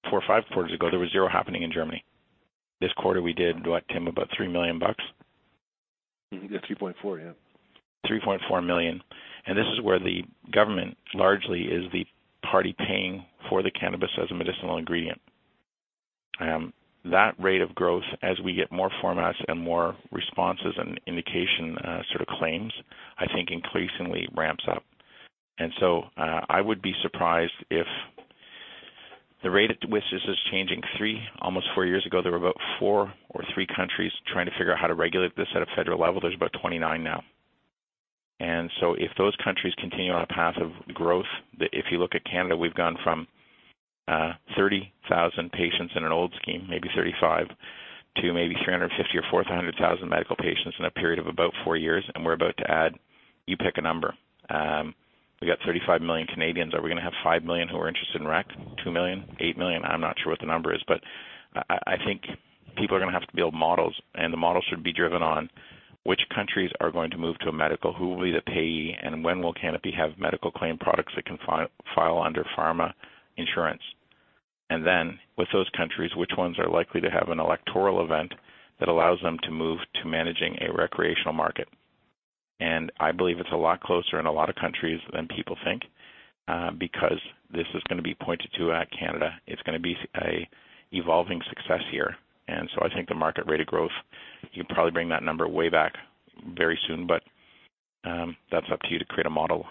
four or five quarters ago, there was zero happening in Germany. This quarter, we did, what, Tim, about 3 million bucks? Yeah, 3.4 million, yeah. CAD 3.4 million. This is where the government largely is the party paying for the cannabis as a medicinal ingredient. That rate of growth, as we get more formats and more responses and indication claims, I think increasingly ramps up. I would be surprised if the rate at which this is changing, three, almost four years ago, there were about four or three countries trying to figure out how to regulate this at a federal level. There's about 29 now. If those countries continue on a path of growth, if you look at Canada, we've gone from 30,000 patients in an old scheme, maybe 35, to maybe 350,000 or 400,000 medical patients in a period of about four years, and we're about to add, you pick a number. We got 35 million Canadians. Are we going to have five million who are interested in rec? Two million? Eight million? I'm not sure what the number is. I think people are going to have to build models, and the models should be driven on which countries are going to move to a medical, who will be the payee, and when will Canopy have medical claim products that can file under pharma insurance. With those countries, which ones are likely to have an electoral event that allows them to move to managing a recreational market. I believe it's a lot closer in a lot of countries than people think, because this is going to be pointed to at Canada. It's going to be a evolving success here. I think the market rate of growth, you can probably bring that number way back very soon. That's up to you to create a model.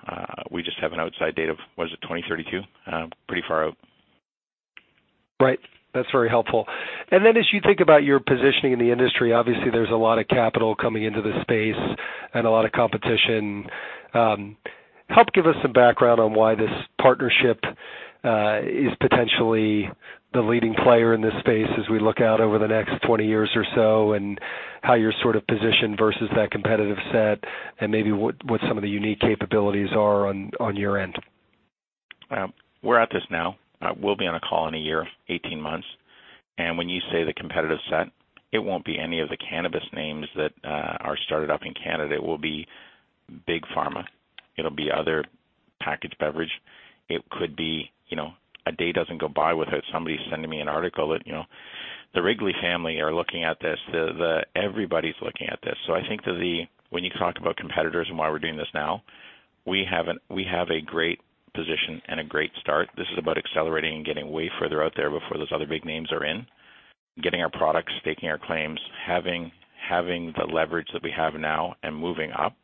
We just have an outside date of, what is it, 2032. Pretty far out. Right. That's very helpful. Then as you think about your positioning in the industry, obviously there's a lot of capital coming into this space and a lot of competition. Help give us some background on why this partnership is potentially the leading player in this space as we look out over the next 20 years or so, and how you're sort of positioned versus that competitive set, and maybe what some of the unique capabilities are on your end. We're at this now. We'll be on a call in a year, 18 months. When you say the competitive set, it won't be any of the cannabis names that are started up in Canada. It will be big pharma. It'll be other packaged beverage. A day doesn't go by without somebody sending me an article that the Wrigley family are looking at this. Everybody's looking at this. I think when you talk about competitors and why we're doing this now, we have a great position and a great start. This is about accelerating and getting way further out there before those other big names are in. Getting our products, staking our claims, having the leverage that we have now and moving up.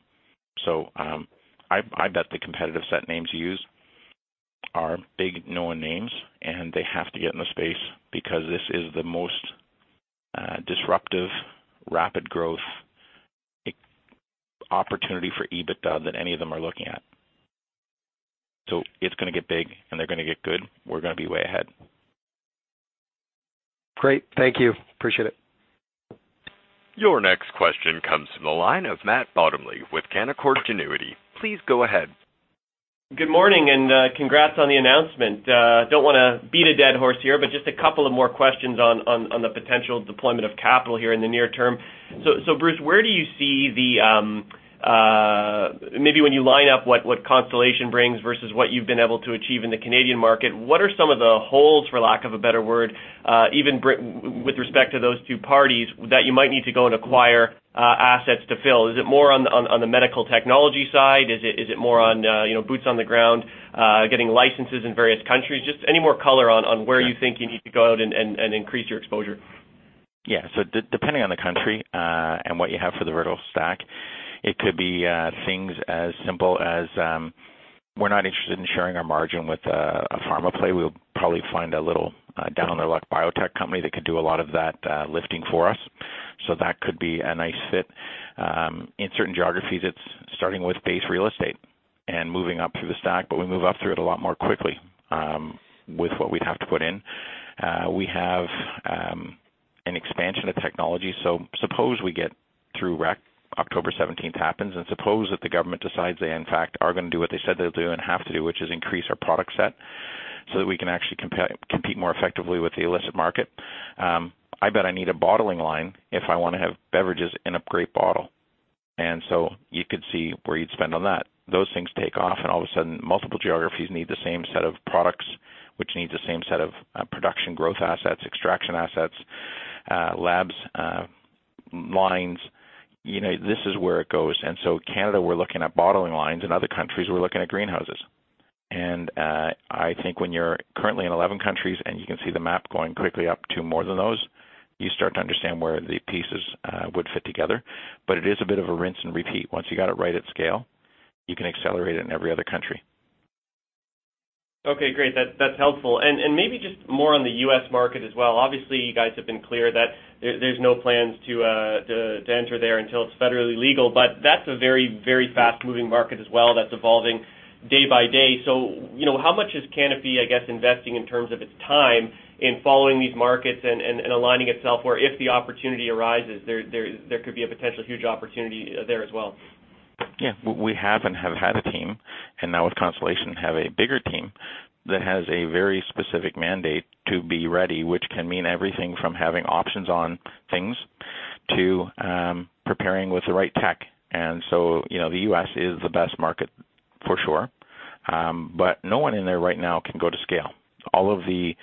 I bet the competitive set names you use are big known names, and they have to get in the space because this is the most disruptive, rapid growth opportunity for EBITDA that any of them are looking at. It's going to get big, and they're going to get good. We're going to be way ahead. Great. Thank you. Appreciate it. Your next question comes from the line of Matt Bottomley with Canaccord Genuity. Please go ahead. Good morning. Congrats on the announcement. Don't want to beat a dead horse here, but just a couple of more questions on the potential deployment of capital here in the near term. Bruce, where do you see the Maybe when you line up what Constellation brings versus what you've been able to achieve in the Canadian market, what are some of the holes, for lack of a better word, even with respect to those two parties, that you might need to go and acquire assets to fill? Is it more on the medical technology side? Is it more on boots on the ground, getting licenses in various countries? Just any more color on where you think you need to go out and increase your exposure. Depending on the country, and what you have for the vertical stack, it could be things as simple as, we're not interested in sharing our margin with a pharma play. We'll probably find a little down-on-their-luck biotech company that could do a lot of that lifting for us. That could be a nice fit. In certain geographies, it's starting with base real estate and moving up through the stack, but we move up through it a lot more quickly with what we'd have to put in. We have an expansion of technology. Suppose we get through rec, October 17th happens. Suppose that the government decides they, in fact, are going to do what they said they'll do and have to do, which is increase our product set so that we can actually compete more effectively with the illicit market. I bet I need a bottling line if I want to have beverages in a great bottle. You could see where you'd spend on that. Those things take off, all of a sudden, multiple geographies need the same set of products, which need the same set of production growth assets, extraction assets, labs, lines. This is where it goes. Canada, we're looking at bottling lines. In other countries, we're looking at greenhouses. I think when you're currently in 11 countries and you can see the map going quickly up to more than those, you start to understand where the pieces would fit together. It is a bit of a rinse and repeat. Once you got it right at scale, you can accelerate it in every other country. Okay, great. That's helpful. Maybe just more on the U.S. market as well. Obviously, you guys have been clear that there's no plans to enter there until it's federally legal, that's a very fast-moving market as well that's evolving day by day. How much is Canopy, I guess, investing in terms of its time in following these markets and aligning itself where if the opportunity arises, there could be a potential huge opportunity there as well? Yeah. We have and have had a team, now with Constellation, have a bigger team that has a very specific mandate to be ready, which can mean everything from having options on things to preparing with the right tech. The U.S. is the best market for sure. No one in there right now can go to scale. All of the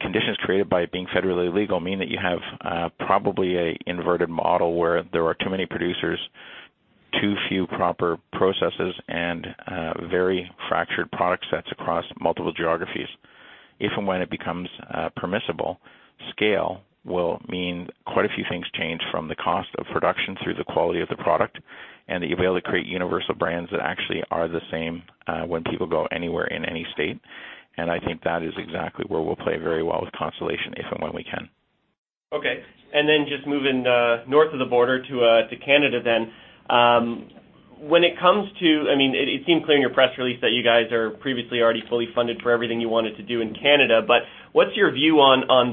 conditions created by it being federally legal mean that you have probably an inverted model where there are too many producers, too few proper processes and very fractured product sets across multiple geographies. If and when it becomes permissible, scale will mean quite a few things change from the cost of production through the quality of the product, that you'll be able to create universal brands that actually are the same when people go anywhere in any state. I think that is exactly where we'll play very well with Constellation, if and when we can. Okay. Just moving north of the border to Canada. It seemed clear in your press release that you guys are previously already fully funded for everything you wanted to do in Canada. What's your view on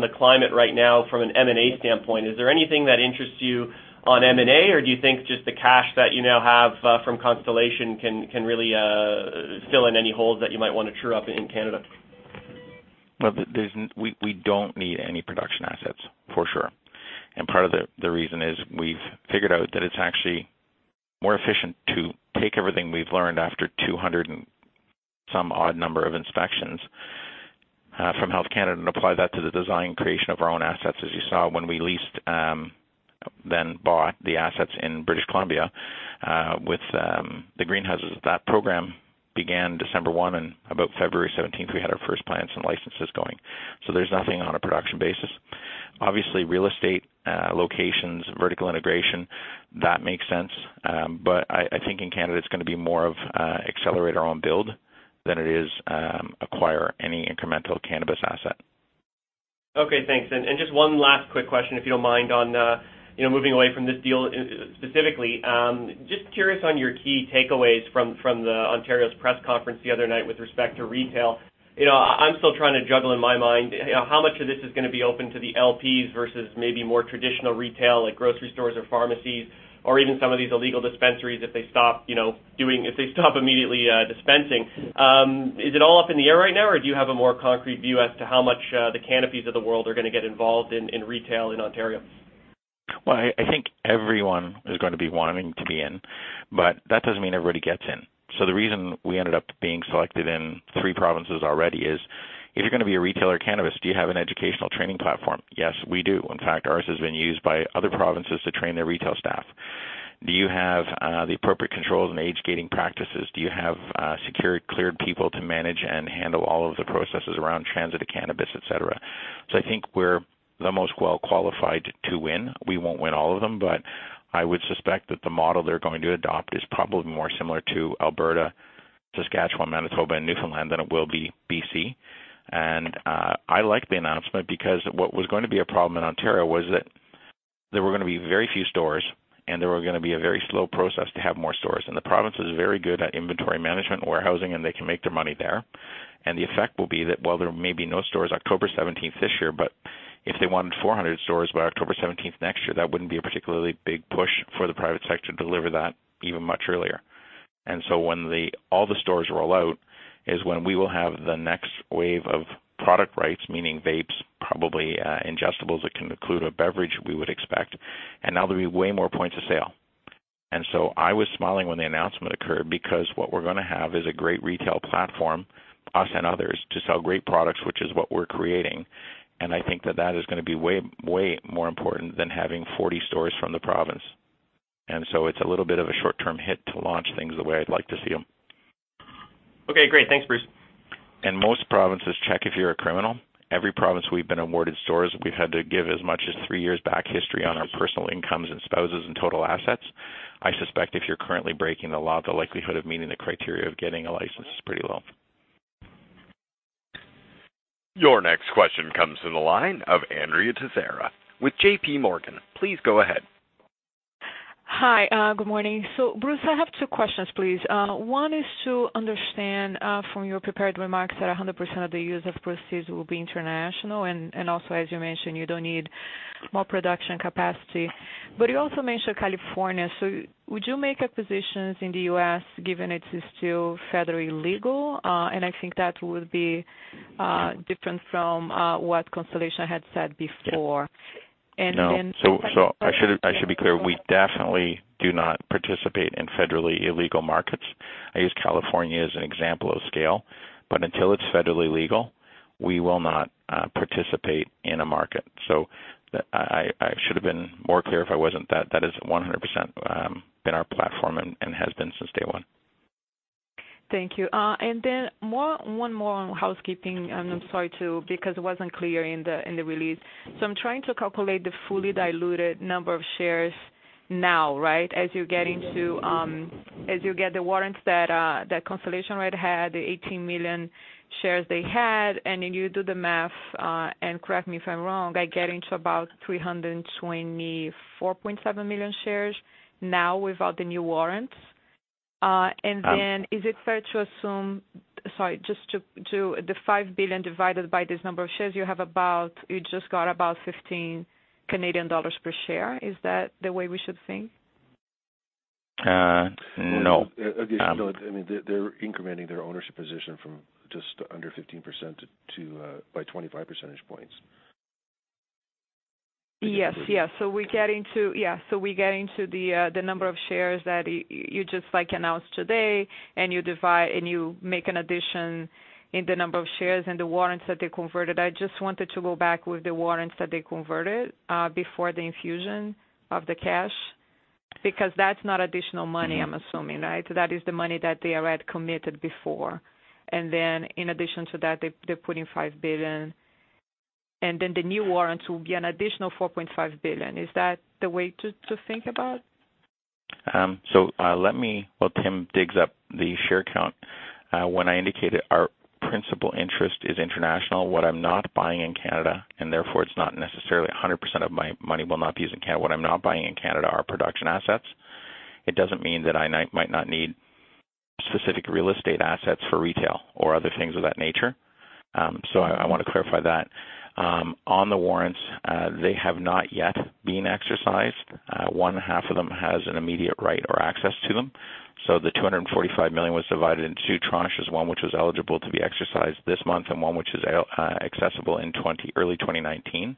the climate right now from an M&A standpoint? Is there anything that interests you on M&A, or do you think just the cash that you now have from Constellation can really fill in any holes that you might want to true up in Canada? We don't need any production assets, for sure. Part of the reason is we've figured out that it's actually more efficient to take everything we've learned after 200 and some odd number of inspections from Health Canada and apply that to the design creation of our own assets. As you saw when we leased, then bought the assets in British Columbia, with the greenhouses. That program began December 1. About February 17th, we had our first plants and licenses going. There's nothing on a production basis. Obviously, real estate, locations, vertical integration, that makes sense. I think in Canada it's going to be more of accelerate our own build than it is acquire any incremental cannabis asset. Okay, thanks. Just one last quick question, if you don't mind, on moving away from this deal specifically. Just curious on your key takeaways from the Ontario's press conference the other night with respect to retail. I'm still trying to juggle in my mind, how much of this is going to be open to the LPs versus maybe more traditional retail like grocery stores or pharmacies or even some of these illegal dispensaries if they stop immediately dispensing. Is it all up in the air right now, or do you have a more concrete view as to how much the Canopys of the world are going to get involved in retail in Ontario? I think everyone is going to be wanting to be in. That doesn't mean everybody gets in. The reason we ended up being selected in three provinces already is, if you're going to be a retailer of cannabis, do you have an educational training platform? Yes, we do. In fact, ours has been used by other provinces to train their retail staff. Do you have the appropriate controls and age gating practices? Do you have security cleared people to manage and handle all of the processes around transit of cannabis, et cetera? I think we're the most well qualified to win. We won't win all of them. I would suspect that the model they're going to adopt is probably more similar to Alberta, Saskatchewan, Manitoba, and Newfoundland than it will be BC. I like the announcement because what was going to be a problem in Ontario was that there were going to be very few stores and there were going to be a very slow process to have more stores. The province is very good at inventory management and warehousing, and they can make their money there. The effect will be that while there may be no stores October 17th this year, but if they wanted 400 stores by October 17th next year, that wouldn't be a particularly big push for the private sector to deliver that even much earlier. When all the stores roll out is when we will have the next wave of product rights, meaning vapes, probably ingestibles that can include a beverage, we would expect. Now there'll be way more points of sale. I was smiling when the announcement occurred because what we're going to have is a great retail platform, us and others, to sell great products, which is what we're creating. I think that that is going to be way more important than having 40 stores from the province. It's a little bit of a short-term hit to launch things the way I'd like to see them. Okay, great. Thanks, Bruce. Most provinces check if you're a criminal. Every province we've been awarded stores, we've had to give as much as three years back history on our personal incomes and spouses and total assets. I suspect if you're currently breaking the law, the likelihood of meeting the criteria of getting a license is pretty low. Your next question comes to the line of Andrea Teixeira with J.P. Morgan. Please go ahead. Hi. Good morning. Bruce, I have two questions, please. One is to understand, from your prepared remarks, that 100% of the use of proceeds will be international, and also, as you mentioned, you don't need more production capacity. But you also mentioned California, so would you make acquisitions in the U.S., given it is still federally illegal? And I think that would be different from what Constellation had said before. No. I should be clear. We definitely do not participate in federally illegal markets. I use California as an example of scale, but until it's federally legal, we will not participate in a market. I should have been more clear if I wasn't, that is 100% been our platform and has been since day one. Thank you. One more on housekeeping, and I'm sorry, too, because it wasn't clear in the release. I'm trying to calculate the fully diluted number of shares now, right? As you get the warrants that Constellation already had, the 18 million shares they had, and then you do the math, and correct me if I'm wrong, I get into about 324.7 million shares now without the new warrants. Yeah. Is it fair to assume Sorry, just to the 5 billion divided by this number of shares, you just got about 15 Canadian dollars per share. Is that the way we should think? No. They're incrementing their ownership position from just under 15% by 25 percentage points. Yes. We get into the number of shares that you just announced today, and you make an addition in the number of shares and the warrants that they converted. I just wanted to go back with the warrants that they converted before the infusion of the cash. Because that's not additional money. I'm assuming, right? That is the money that they already committed before. In addition to that, they're putting 5 billion. The new warrants will be an additional 4.5 billion. Is that the way to think about it? Let me. While Tim digs up the share count. When I indicated our principal interest is international, what I'm not buying in Canada, it's not necessarily 100% of my money will not be used in Canada. What I'm not buying in Canada are production assets. It doesn't mean that I might not need specific real estate assets for retail or other things of that nature. I want to clarify that. On the warrants, they have not yet been exercised. One half of them has an immediate right or access to them. The 245 million was divided in 2 tranches, one which was eligible to be exercised this month and one which is accessible in early 2019.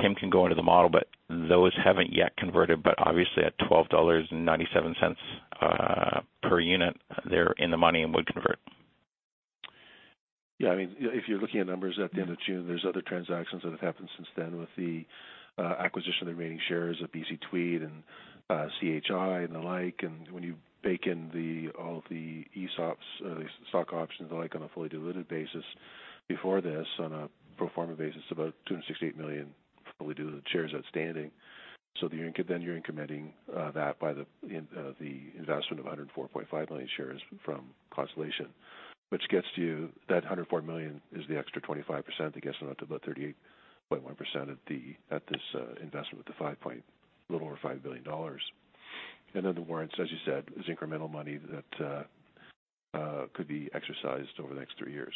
Tim can go into the model, but those haven't yet converted. Obviously at 12.97 dollars per unit, they're in the money and would convert. If you're looking at numbers at the end of June, there's other transactions that have happened since then with the acquisition of the remaining shares of BC Tweed and CHI and the like. When you bake in all of the ESOPs, stock options and the like on a fully diluted basis before this, on a pro forma basis, about 268 million fully diluted shares outstanding. You're incrementing that by the investment of 104.5 million shares from Constellation Brands, which gets you That 104 million is the extra 25%, that gets them out to about 38.1% at this investment with a little over 5 billion dollars. The warrants, as you said, is incremental money that could be exercised over the next 3 years.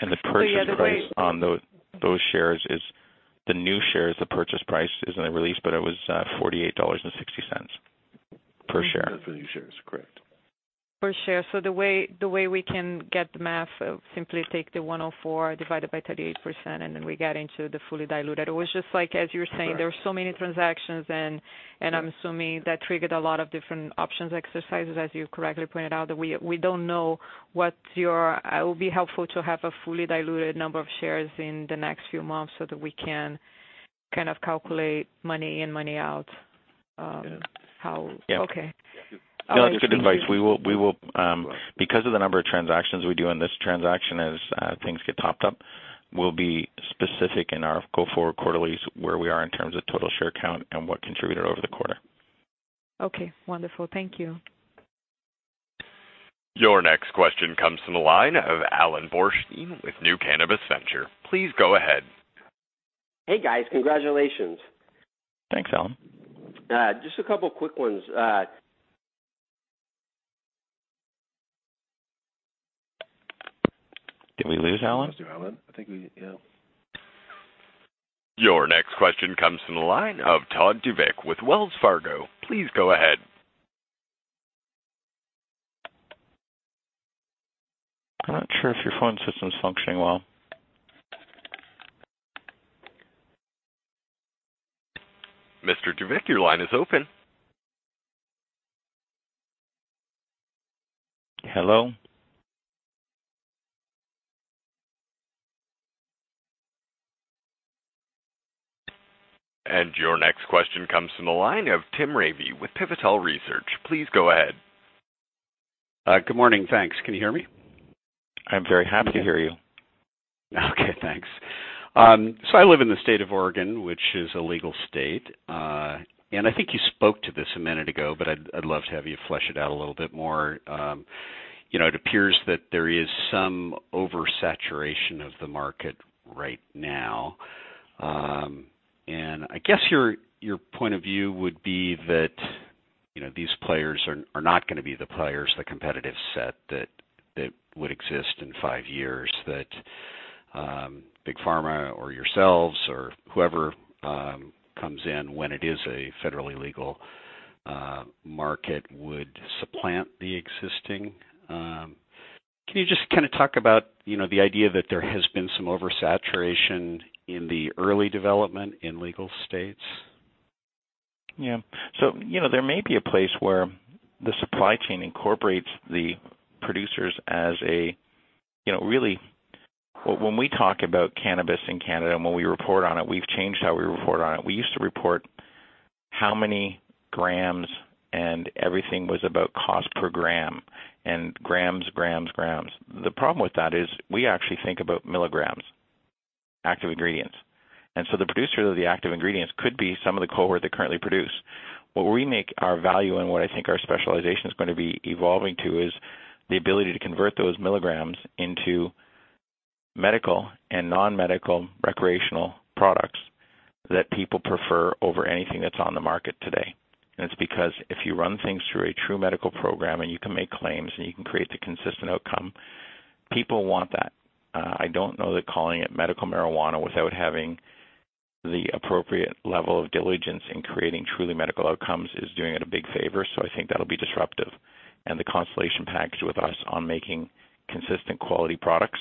The purchase price- The way- on those shares is the new shares, the purchase price is in the release. It was 48.60 dollars per share. For the new shares, correct. Per share. The way we can get the math, simply take the 104 divided by 38%. We get into the fully diluted. It was just like, as you were saying. Correct There were so many transactions. I'm assuming that triggered a lot of different options exercises, as you correctly pointed out, that we don't know. It will be helpful to have a fully diluted number of shares in the next few months so that we can kind of calculate money in, money out. Yeah. How- Yeah. Okay. No, that's good advice. We will. Because of the number of transactions we do in this transaction, as things get topped up, we will be specific in our go forward quarterlies, where we are in terms of total share count and what contributed over the quarter. Okay, wonderful. Thank you. Your next question comes from the line of Alan Brochstein with New Cannabis Ventures. Please go ahead. Hey, guys. Congratulations. Thanks, Alan. Just a couple of quick ones. Did we lose Alan? We lose Alan, I think we, yeah. Your next question comes from the line of Todd DuVick with Wells Fargo. Please go ahead. I'm not sure if your phone system's functioning well. Mr. DuVick, your line is open. Hello? Your next question comes from the line of Timothy Ramey with Pivotal Research. Please go ahead. Good morning. Thanks. Can you hear me? I'm very happy to hear you. Okay, thanks. I live in the state of Oregon, which is a legal state. I think you spoke to this a minute ago, but I'd love to have you flesh it out a little bit more. It appears that there is some oversaturation of the market right now. I guess your point of view would be that these players are not going to be the players, the competitive set that would exist in five years, that big pharma or yourselves or whoever comes in when it is a federally legal market would supplant the existing. Can you just talk about the idea that there has been some oversaturation in the early development in legal states? Yeah. There may be a place where the supply chain incorporates the producers. When we talk about cannabis in Canada and when we report on it, we've changed how we report on it. We used to report how many grams and everything was about cost per gram and grams. The problem with that is we actually think about milligrams, active ingredients. The producer of the active ingredients could be some of the cohort that currently produce. Where we make our value and what I think our specialization is going to be evolving to is the ability to convert those milligrams into medical and non-medical recreational products that people prefer over anything that's on the market today. It's because if you run things through a true medical program and you can make claims and you can create the consistent outcome, people want that. I don't know that calling it medical marijuana without having the appropriate level of diligence in creating truly medical outcomes is doing it a big favor. I think that'll be disruptive. The Constellation package with us on making consistent quality products,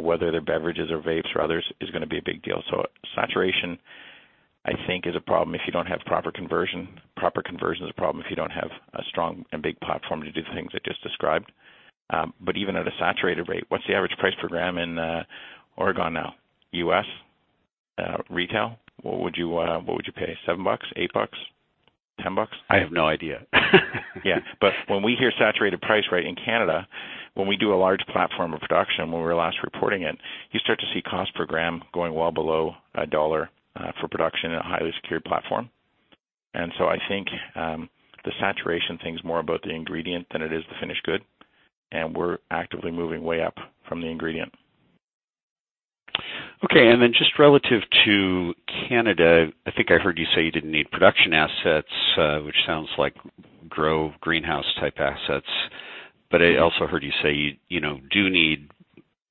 whether they're beverages or vapes or others, is going to be a big deal. Saturation, I think, is a problem if you don't have proper conversion. Proper conversion is a problem if you don't have a strong and big platform to do the things I just described. Even at a saturated rate, what's the average price per gram in Oregon now? U.S. retail, what would you pay? 7 bucks, 8 bucks, 10 bucks? I have no idea. Yeah, when we hear saturated price rate in Canada, when we do a large platform of production, when we're last reporting it, you start to see cost per gram going well below CAD 1 for production in a highly secured platform. I think, the saturation thing is more about the ingredient than it is the finished good, and we're actively moving way up from the ingredient. Okay, just relative to Canada, I think I heard you say you didn't need production assets, which sounds like grow greenhouse type assets. I also heard you say you do need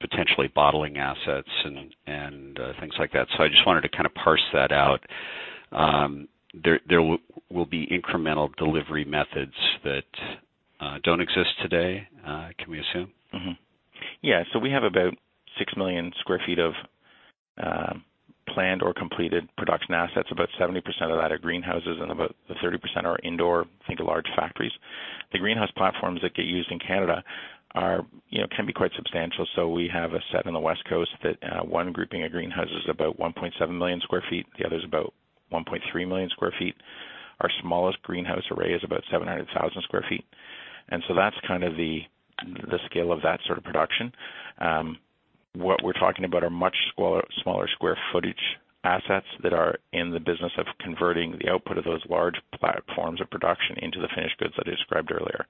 potentially bottling assets and things like that. I just wanted to kind of parse that out. There will be incremental delivery methods that don't exist today, can we assume? Mm-hmm. Yeah. We have about 6 million square feet of planned or completed production assets. About 70% of that are greenhouses and about 30% are indoor, think of large factories. The greenhouse platforms that get used in Canada can be quite substantial. We have a set in the West Coast that one grouping of greenhouses is about 1.7 million square feet. The other is about 1.3 million square feet. Our smallest greenhouse array is about 700,000 square feet. That's kind of the scale of that sort of production. What we're talking about are much smaller square footage assets that are in the business of converting the output of those large platforms of production into the finished goods that I described earlier.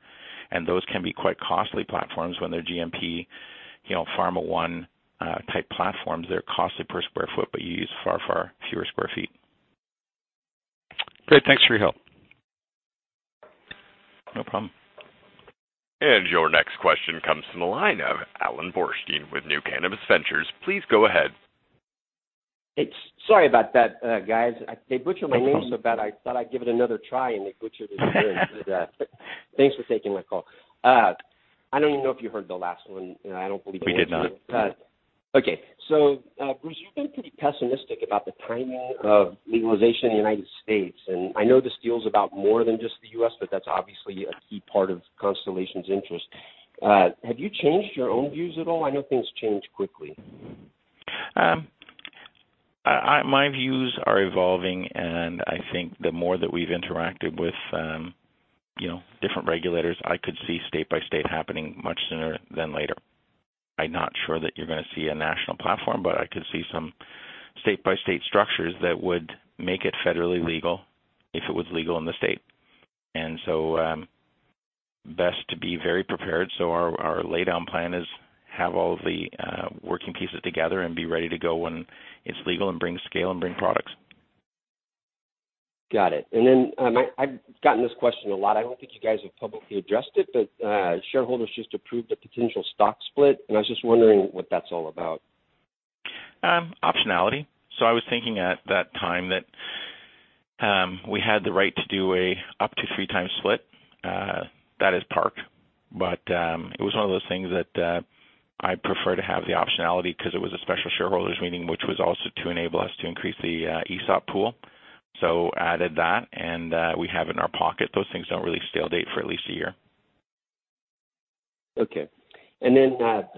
Those can be quite costly platforms when they're GMP, Pharma 1 type platforms. They're costly per square foot, but you use far, far fewer square feet. Great. Thanks for your help. No problem. Your next question comes from the line of Alan Brochstein with New Cannabis Ventures. Please go ahead. Hey, sorry about that, guys. They butchered my name so bad, I thought I'd give it another try, and they butchered it again. Thanks for taking my call. I don't even know if you heard the last one. I don't believe I did. We did not. Okay. Bruce, you've been pretty pessimistic about the timing of legalization in the United States, and I know this deal is about more than just the U.S., but that's obviously a key part of Constellation's interest. Have you changed your own views at all? I know things change quickly. My views are evolving, I think the more that we've interacted with different regulators, I could see state by state happening much sooner than later. I'm not sure that you're going to see a national platform, but I could see some state by state structures that would make it federally legal if it was legal in the state. Best to be very prepared. Our laydown plan is have all of the working pieces together and be ready to go when it's legal and bring scale and bring products. Got it. I've gotten this question a lot. I don't think you guys have publicly addressed it, shareholders just approved a potential stock split, I was just wondering what that's all about. Optionality. I was thinking at that time that we had the right to do an up to three times split, that is parked. It was one of those things that I prefer to have the optionality because it was a special shareholders' meeting, which was also to enable us to increase the ESOP pool. Added that, we have in our pocket, those things don't really stale date for at least a year. Okay. The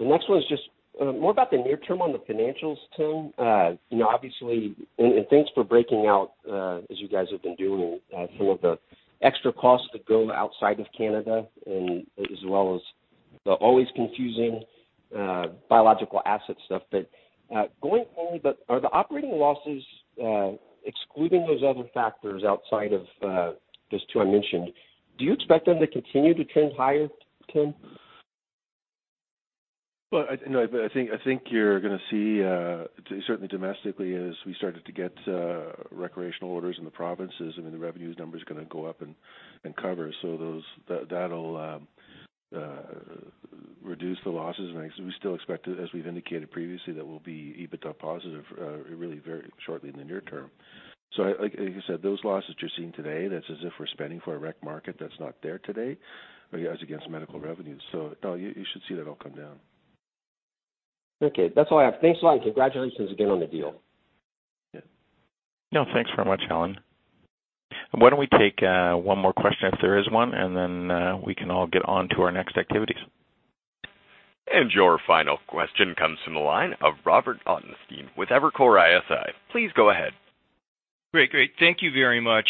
next one is just more about the near term on the financials, Tim. Thanks for breaking out, as you guys have been doing, some of the extra costs that go outside of Canada and as well as the always confusing biological asset stuff. Are the operating losses, excluding those other factors outside of just two I mentioned, do you expect them to continue to trend higher, Tim? I think you're going to see, certainly domestically, as we started to get recreational orders in the provinces, I mean, the revenues number's going to go up and cover. That'll reduce the losses. We still expect, as we've indicated previously, that we'll be EBITDA positive really very shortly in the near term. Like you said, those losses you're seeing today, that's as if we're spending for a rec market that's not there today as against medical revenues. You should see that all come down. That's all I have. Thanks a lot. Congratulations again on the deal. Yeah. Thanks very much, Alan. Why don't we take one more question if there is one, and then we can all get on to our next activities. Your final question comes from the line of Robert Ottenstein with Evercore ISI. Please go ahead. Great. Thank you very much.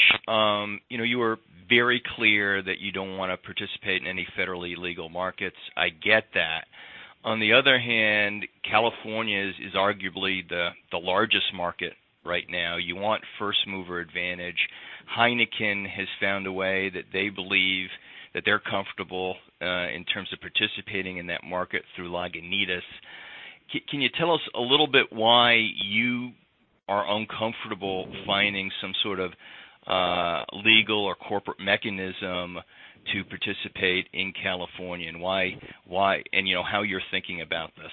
You were very clear that you don't want to participate in any federally illegal markets. I get that. California is arguably the largest market right now. You want first-mover advantage. Heineken has found a way that they believe that they're comfortable in terms of participating in that market through Lagunitas. Can you tell us a little bit why you are uncomfortable finding some sort of legal or corporate mechanism to participate in California, and how you're thinking about this?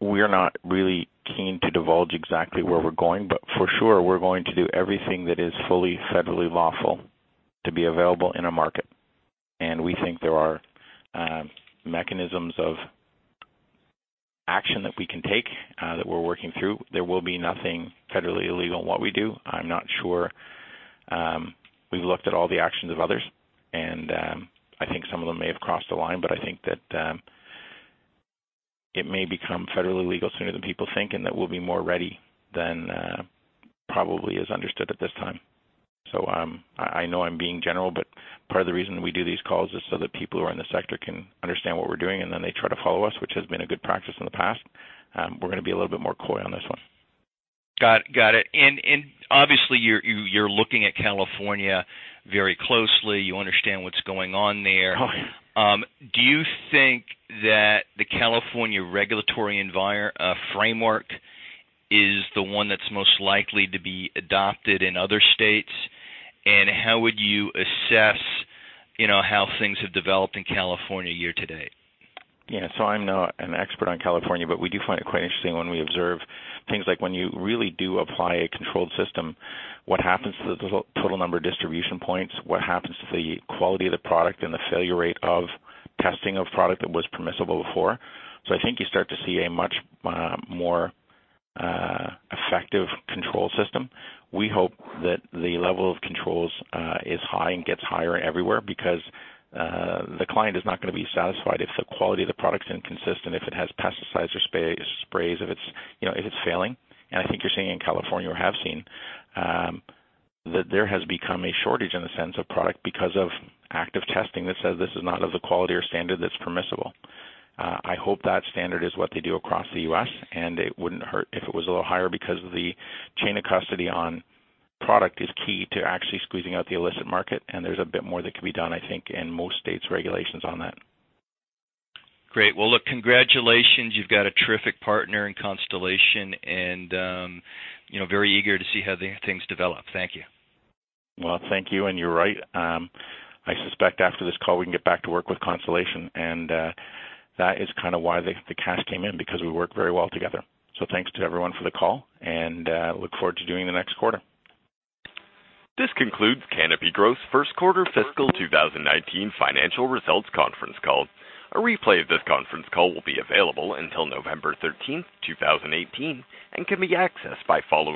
We're not really keen to divulge exactly where we're going, but for sure, we're going to do everything that is fully federally lawful to be available in a market. We think there are mechanisms of action that we can take, that we're working through. There will be nothing federally illegal in what we do. I'm not sure. We've looked at all the actions of others, and I think some of them may have crossed the line, but I think that it may become federally legal sooner than people think, and that we'll be more ready than probably is understood at this time. I know I'm being general, but part of the reason we do these calls is so that people who are in the sector can understand what we're doing, and then they try to follow us, which has been a good practice in the past. We're going to be a little bit more coy on this one. Got it. Obviously, you're looking at California very closely. You understand what's going on there. Oh, yeah. Do you think that the California regulatory framework is the one that's most likely to be adopted in other states? How would you assess how things have developed in California year-to-date? Yeah. I'm not an expert on California, but we do find it quite interesting when we observe things like when you really do apply a controlled system, what happens to the total number of distribution points, what happens to the quality of the product and the failure rate of testing of product that was permissible before. I think you start to see a much more effective control system. We hope that the level of controls is high and gets higher everywhere because the client is not going to be satisfied if the quality of the product is inconsistent, if it has pesticides or sprays, if it's failing. I think you're seeing in California, or have seen, that there has become a shortage in the sense of product because of active testing that says this is not of the quality or standard that's permissible. I hope that standard is what they do across the U.S., and it wouldn't hurt if it was a little higher because the chain of custody on product is key to actually squeezing out the illicit market, and there's a bit more that can be done, I think, in most states' regulations on that. Great. Well, look, congratulations. You've got a terrific partner in Constellation, very eager to see how things develop. Thank you. Well, thank you. You're right. I suspect after this call, we can get back to work with Constellation. That is kind of why the cash came in, because we work very well together. Thanks to everyone for the call, and look forward to doing the next quarter. This concludes Canopy Growth first quarter fiscal 2019 financial results conference call. A replay of this conference call will be available until November 13th, 2018 can be accessed by following